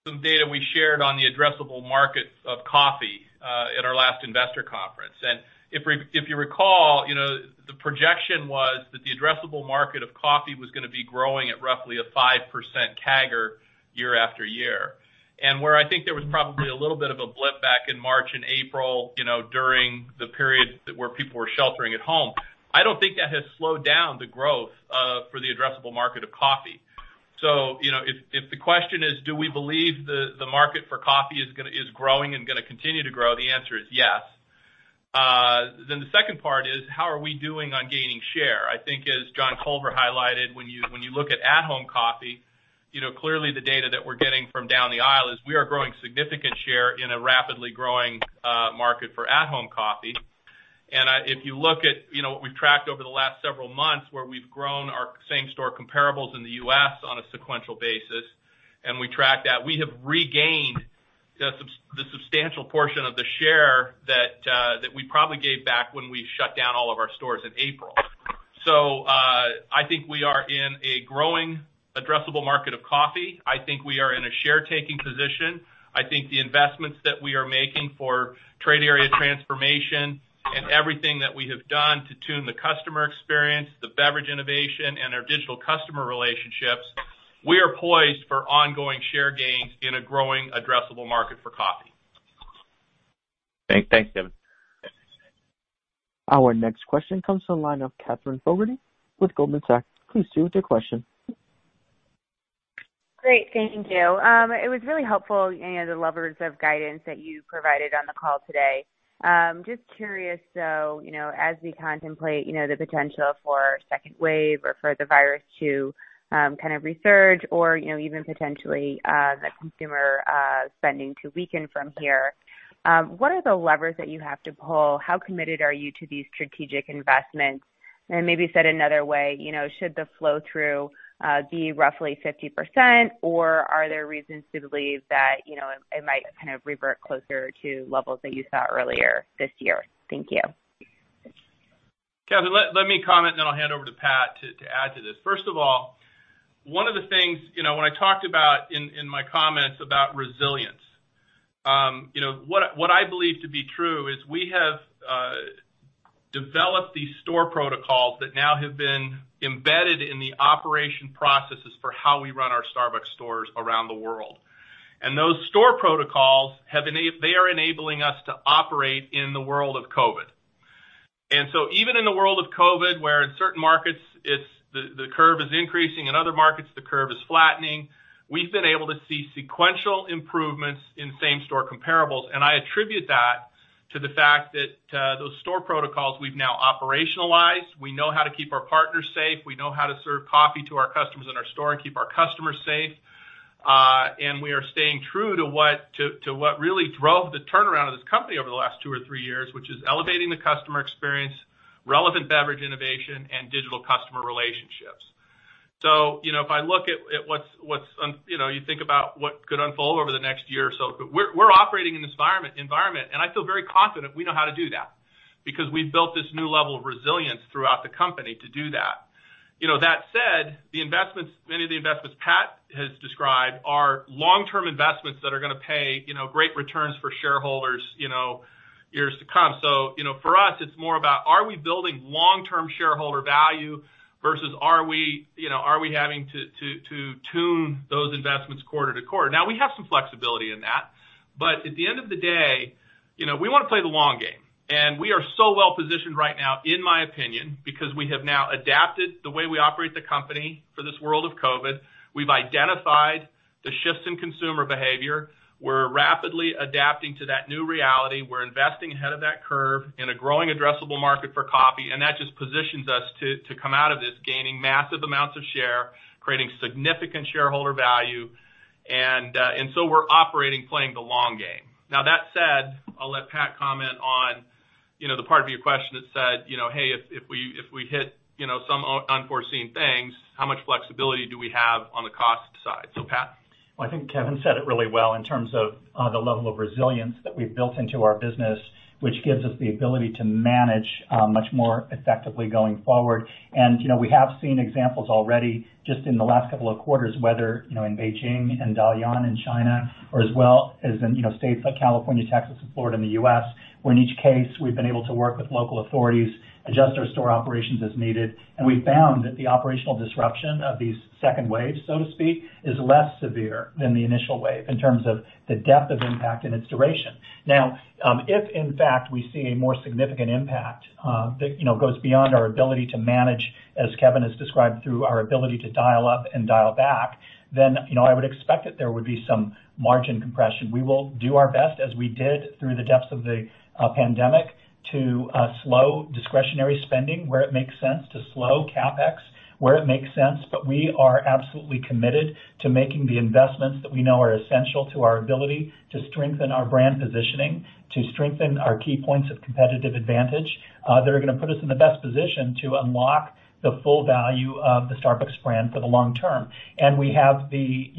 some data we shared on the addressable markets of coffee at our last investor conference. If you recall, the projection was that the addressable market of coffee was going to be growing at roughly a 5% CAGR year after year. Where I think there was probably a little bit of a blip back in March and April, during the period where people were sheltering at home, I don't think that has slowed down the growth for the addressable market of coffee. If the question is, do we believe the market for coffee is growing and going to continue to grow, the answer is yes. The second part is, how are we doing on gaining share? I think as John Culver highlighted, when you look at at-home coffee The data that we're getting from down the aisle is we are growing significant share in a rapidly growing market for at-home coffee. If you look at what we've tracked over the last several months, where we've grown our same-store comparables in the U.S. on a sequential basis, and we tracked that, we have regained the substantial portion of the share that we probably gave back when we shut down all of our stores in April. I think we are in a growing addressable market of coffee. I think we are in a share-taking position. I think the investments that we are making for trade area transformation and everything that we have done to tune the customer experience, the beverage innovation, and our digital customer relationships, we are poised for ongoing share gains in a growing addressable market for coffee. Thanks, Kevin. Our next question comes from the line of Katherine Fogertey with Goldman Sachs. Please proceed with your question. Great. Thank you. It was really helpful the levers of guidance that you provided on the call today. Just curious, as we contemplate the potential for second wave or for the virus to kind of resurge or even potentially the consumer spending to weaken from here, what are the levers that you have to pull? How committed are you to these strategic investments? Maybe said another way, should the flow-through be roughly 50%, or are there reasons to believe that it might kind of revert closer to levels that you saw earlier this year? Thank you. Katherine, let me comment, then I'll hand over to Pat to add to this. First of all, one of the things when I talked about in my comments about resilience. What I believe to be true is we have developed these store protocols that now have been embedded in the operation processes for how we run our Starbucks stores around the world. Those store protocols, they are enabling us to operate in the world of COVID. Even in the world of COVID, where in certain markets the curve is increasing, in other markets the curve is flattening, we've been able to see sequential improvements in same-store comparables. I attribute that to the fact that those store protocols we've now operationalized. We know how to keep our partners safe. We know how to serve coffee to our customers in our store and keep our customers safe. We are staying true to what really drove the turnaround of this company over the last two or three years, which is elevating the customer experience, relevant beverage innovation, and digital customer relationships. If you think about what could unfold over the next year or so, we're operating in this environment, and I feel very confident we know how to do that because we've built this new level of resilience throughout the company to do that. That said, many of the investments Pat has described are long-term investments that are going to pay great returns for shareholders years to come. For us, it's more about are we building long-term shareholder value versus are we having to tune those investments quarter to quarter. We have some flexibility in that, but at the end of the day, we want to play the long game. We are so well-positioned right now, in my opinion, because we have now adapted the way we operate the company for this world of COVID. We've identified the shifts in consumer behavior. We're rapidly adapting to that new reality. We're investing ahead of that curve in a growing addressable market for coffee, and that just positions us to come out of this gaining massive amounts of share, creating significant shareholder value. We're operating, playing the long game. Now, that said, I'll let Pat comment on the part of your question that said, Hey, if we hit some unforeseen things, how much flexibility do we have on the cost side? Pat. Well, I think Kevin said it really well in terms of the level of resilience that we've built into our business, which gives us the ability to manage much more effectively going forward. We have seen examples already just in the last couple of quarters, whether in Beijing and Dalian in China or as well as in states like California, Texas, and Florida in the U.S., where in each case, we've been able to work with local authorities, adjust our store operations as needed. We've found that the operational disruption of these second waves, so to speak, is less severe than the initial wave in terms of the depth of impact and its duration. If in fact we see a more significant impact that goes beyond our ability to manage, as Kevin has described, through our ability to dial up and dial back, then I would expect that there would be some margin compression. We will do our best, as we did through the depths of the pandemic, to slow discretionary spending where it makes sense, to slow CapEx where it makes sense. We are absolutely committed to making the investments that we know are essential to our ability to strengthen our brand positioning, to strengthen our key points of competitive advantage that are going to put us in the best position to unlock the full value of the Starbucks brand for the long term. We have the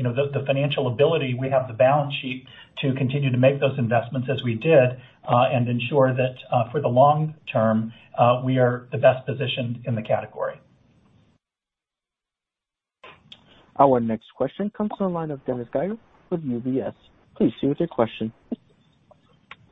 financial ability, we have the balance sheet to continue to make those investments as we did and ensure that for the long term, we are the best positioned in the category. Our next question comes from the line of Dennis Geiger with UBS. Please proceed with your question.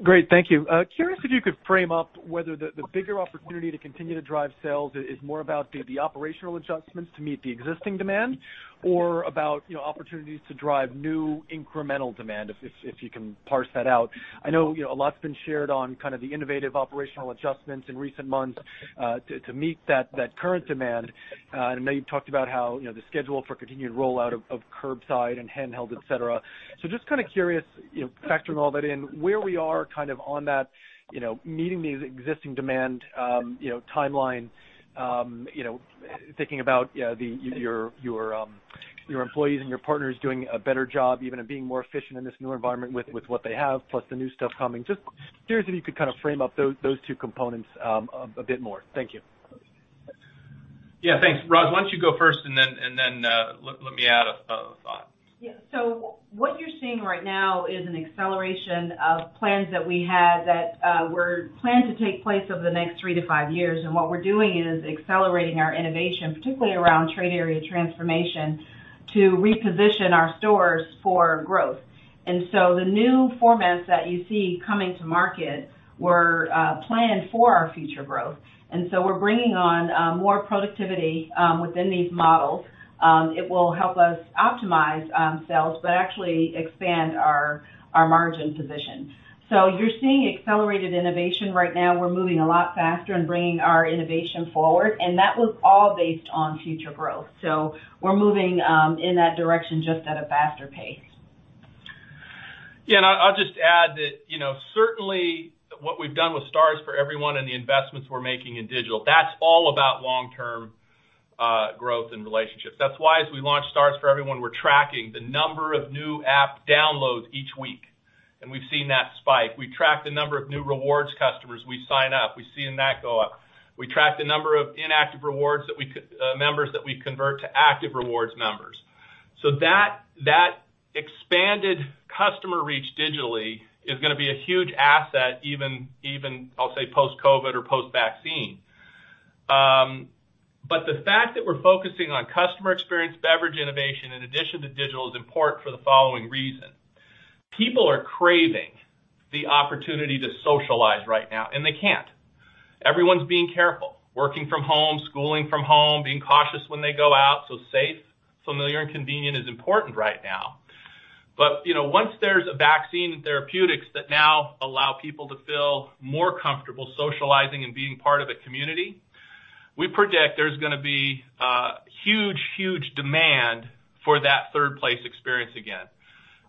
Great. Thank you. Curious if you could frame up whether the bigger opportunity to continue to drive sales is more about the operational adjustments to meet the existing demand or about opportunities to drive new incremental demand, if you can parse that out. I know a lot's been shared on kind of the innovative operational adjustments in recent months to meet that current demand. I know you've talked about how the schedule for continued rollout of curbside and handheld, et cetera. Just kind of curious, factoring all that in, where we are kind of on that meeting these existing demand timeline thinking about your employees and your partners doing a better job even of being more efficient in this new environment with what they have, plus the new stuff coming. Just curious if you could kind of frame up those two components a bit more. Thank you. Yeah, thanks. Roz, why don't you go first and then let me add a thought. Yeah. What you're seeing right now is an acceleration of plans that we had that were planned to take place over the next three to five years. What we're doing is accelerating our innovation, particularly around trade area transformation, to reposition our stores for growth. The new formats that you see coming to market were planned for our future growth. We're bringing on more productivity within these models. It will help us optimize sales, but actually expand our margin position. You're seeing accelerated innovation right now. We're moving a lot faster and bringing our innovation forward, and that was all based on future growth. We're moving in that direction, just at a faster pace. I'll just add that certainly what we've done with Stars for Everyone and the investments we're making in digital, that's all about long-term growth and relationships. That's why as we launch Stars for Everyone, we're tracking the number of new app downloads each week. We've seen that spike. We tracked the number of new rewards customers we sign up. We've seen that go up. We tracked the number of inactive rewards members that we convert to active rewards members. That expanded customer reach digitally is going to be a huge asset, even, I'll say, post-COVID or post-vaccine. The fact that we're focusing on customer experience, beverage innovation, in addition to digital, is important for the following reason. People are craving the opportunity to socialize right now. They can't. Everyone's being careful, working from home, schooling from home, being cautious when they go out. Safe, familiar, and convenient is important right now. Once there's a vaccine and therapeutics that now allow people to feel more comfortable socializing and being part of a community, we predict there's going to be huge demand for that third place experience again.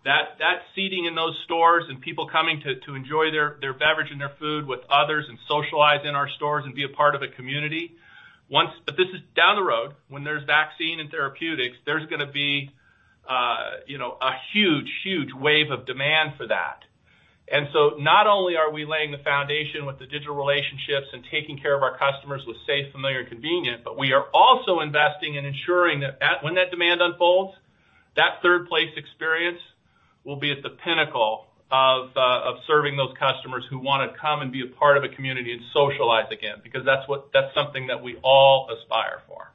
That seating in those stores and people coming to enjoy their beverage and their food with others and socialize in our stores and be a part of a community. This is down the road. When there's vaccine and therapeutics, there's going to be a huge wave of demand for that. Not only are we laying the foundation with the digital relationships and taking care of our customers with safe, familiar, and convenient, but we are also investing in ensuring that when that demand unfolds, that third place experience will be at the pinnacle of serving those customers who want to come and be a part of a community and socialize again, because that's something that we all aspire for.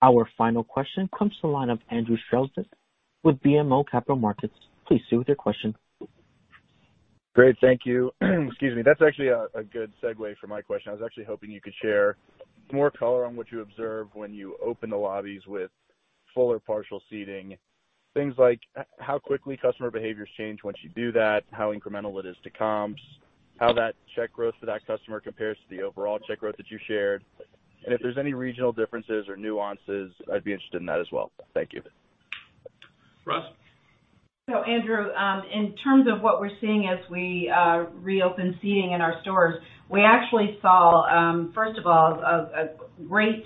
Our final question comes from the line of Andrew Strelzik with BMO Capital Markets. Please go with your question. Great, thank you. Excuse me. That's actually a good segue for my question. I was actually hoping you could share more color on what you observe when you open the lobbies with full or partial seating. Things like how quickly customer behaviors change once you do that, how incremental it is to comps, how that check growth for that customer compares to the overall check growth that you shared. If there's any regional differences or nuances, I'd be interested in that as well. Thank you. Roz. Andrew, in terms of what we're seeing as we reopen seating in our stores, we actually saw first of all, a great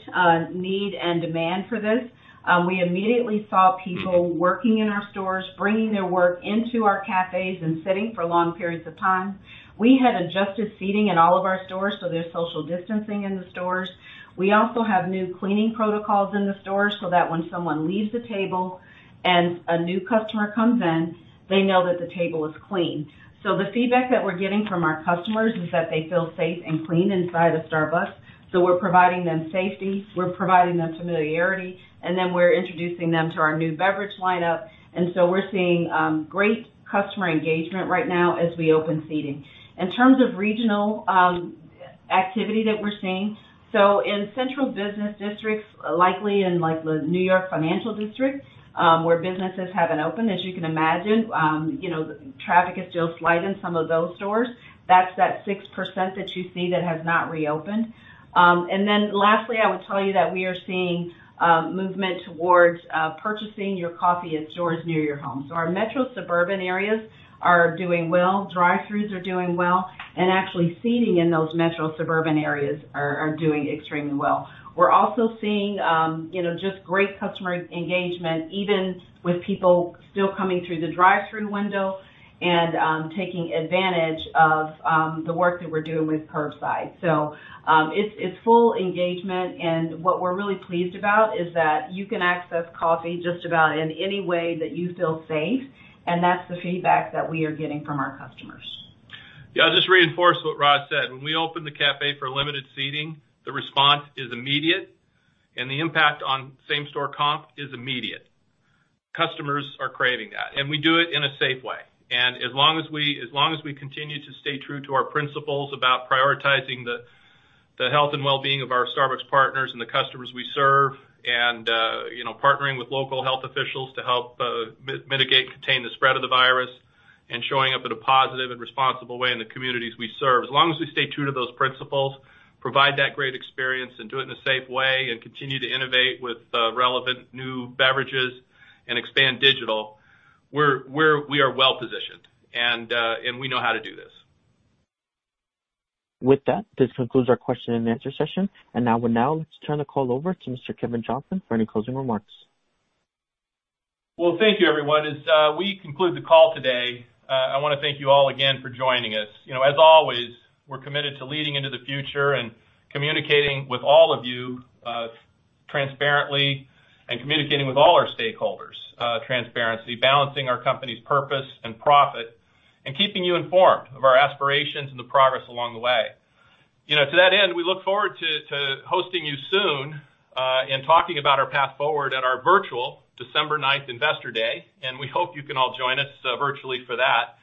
need and demand for this. We immediately saw people working in our stores, bringing their work into our cafes, and sitting for long periods of time. We had adjusted seating in all of our stores, so there's social distancing in the stores. We also have new cleaning protocols in the stores, so that when someone leaves the table and a new customer comes in, they know that the table is clean. The feedback that we're getting from our customers is that they feel safe and clean inside of Starbucks. We're providing them safety, we're providing them familiarity, and then we're introducing them to our new beverage lineup. We're seeing great customer engagement right now as we open seating. In terms of regional activity that we're seeing. In central business districts, likely in the New York Financial District, where businesses haven't opened, as you can imagine, traffic is still slight in some of those stores. That's that 6% that you see that has not reopened. Lastly, I would tell you that we are seeing movement towards purchasing your coffee at stores near your home. Our metro suburban areas are doing well. Drive-throughs are doing well. Actually seating in those metro suburban areas are doing extremely well. We're also seeing just great customer engagement, even with people still coming through the drive-through window and taking advantage of the work that we're doing with curbside. It's full engagement, and what we're really pleased about is that you can access coffee just about in any way that you feel safe, and that's the feedback that we are getting from our customers. Yeah, I'll just reinforce what Roz said. When we open the cafe for limited seating, the response is immediate, and the impact on same-store comp is immediate. Customers are craving that, we do it in a safe way. As long as we continue to stay true to our principles about prioritizing the health and wellbeing of our Starbucks partners and the customers we serve, and partnering with local health officials to help mitigate and contain the spread of the virus, and showing up in a positive and responsible way in the communities we serve. As long as we stay true to those principles, provide that great experience, and do it in a safe way, and continue to innovate with relevant new beverages and expand digital, we are well-positioned. We know how to do this. With that, this concludes our question-and-answer session. Now let's turn the call over to Mr. Kevin Johnson for any closing remarks. Well, thank you everyone. As we conclude the call today, I want to thank you all again for joining us. As always, we're committed to leading into the future and communicating with all of you transparently and communicating with all our stakeholders transparently, balancing our company's purpose and profit, and keeping you informed of our aspirations and the progress along the way. To that end, we look forward to hosting you soon and talking about our path forward at our virtual December 9th Investor Day, and we hope you can all join us virtually for that.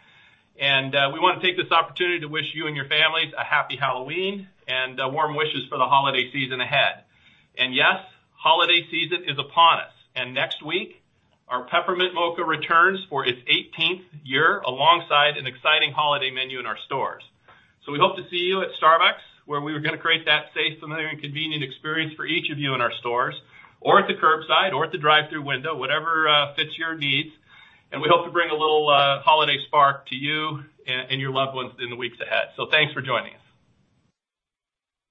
We want to take this opportunity to wish you and your families a happy Halloween and warm wishes for the holiday season ahead. Yes, holiday season is upon us. Next week, our Peppermint Mocha returns for its 18th year alongside an exciting holiday menu in our stores. We hope to see you at Starbucks, where we are going to create that safe, familiar, and convenient experience for each of you in our stores or at the curbside or at the drive-through window, whatever fits your needs. We hope to bring a little holiday spark to you and your loved ones in the weeks ahead. Thanks for joining us.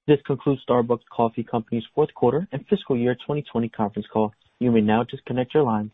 This concludes Starbucks Coffee Company's fourth quarter and fiscal year 2020 conference call. You may now disconnect your lines.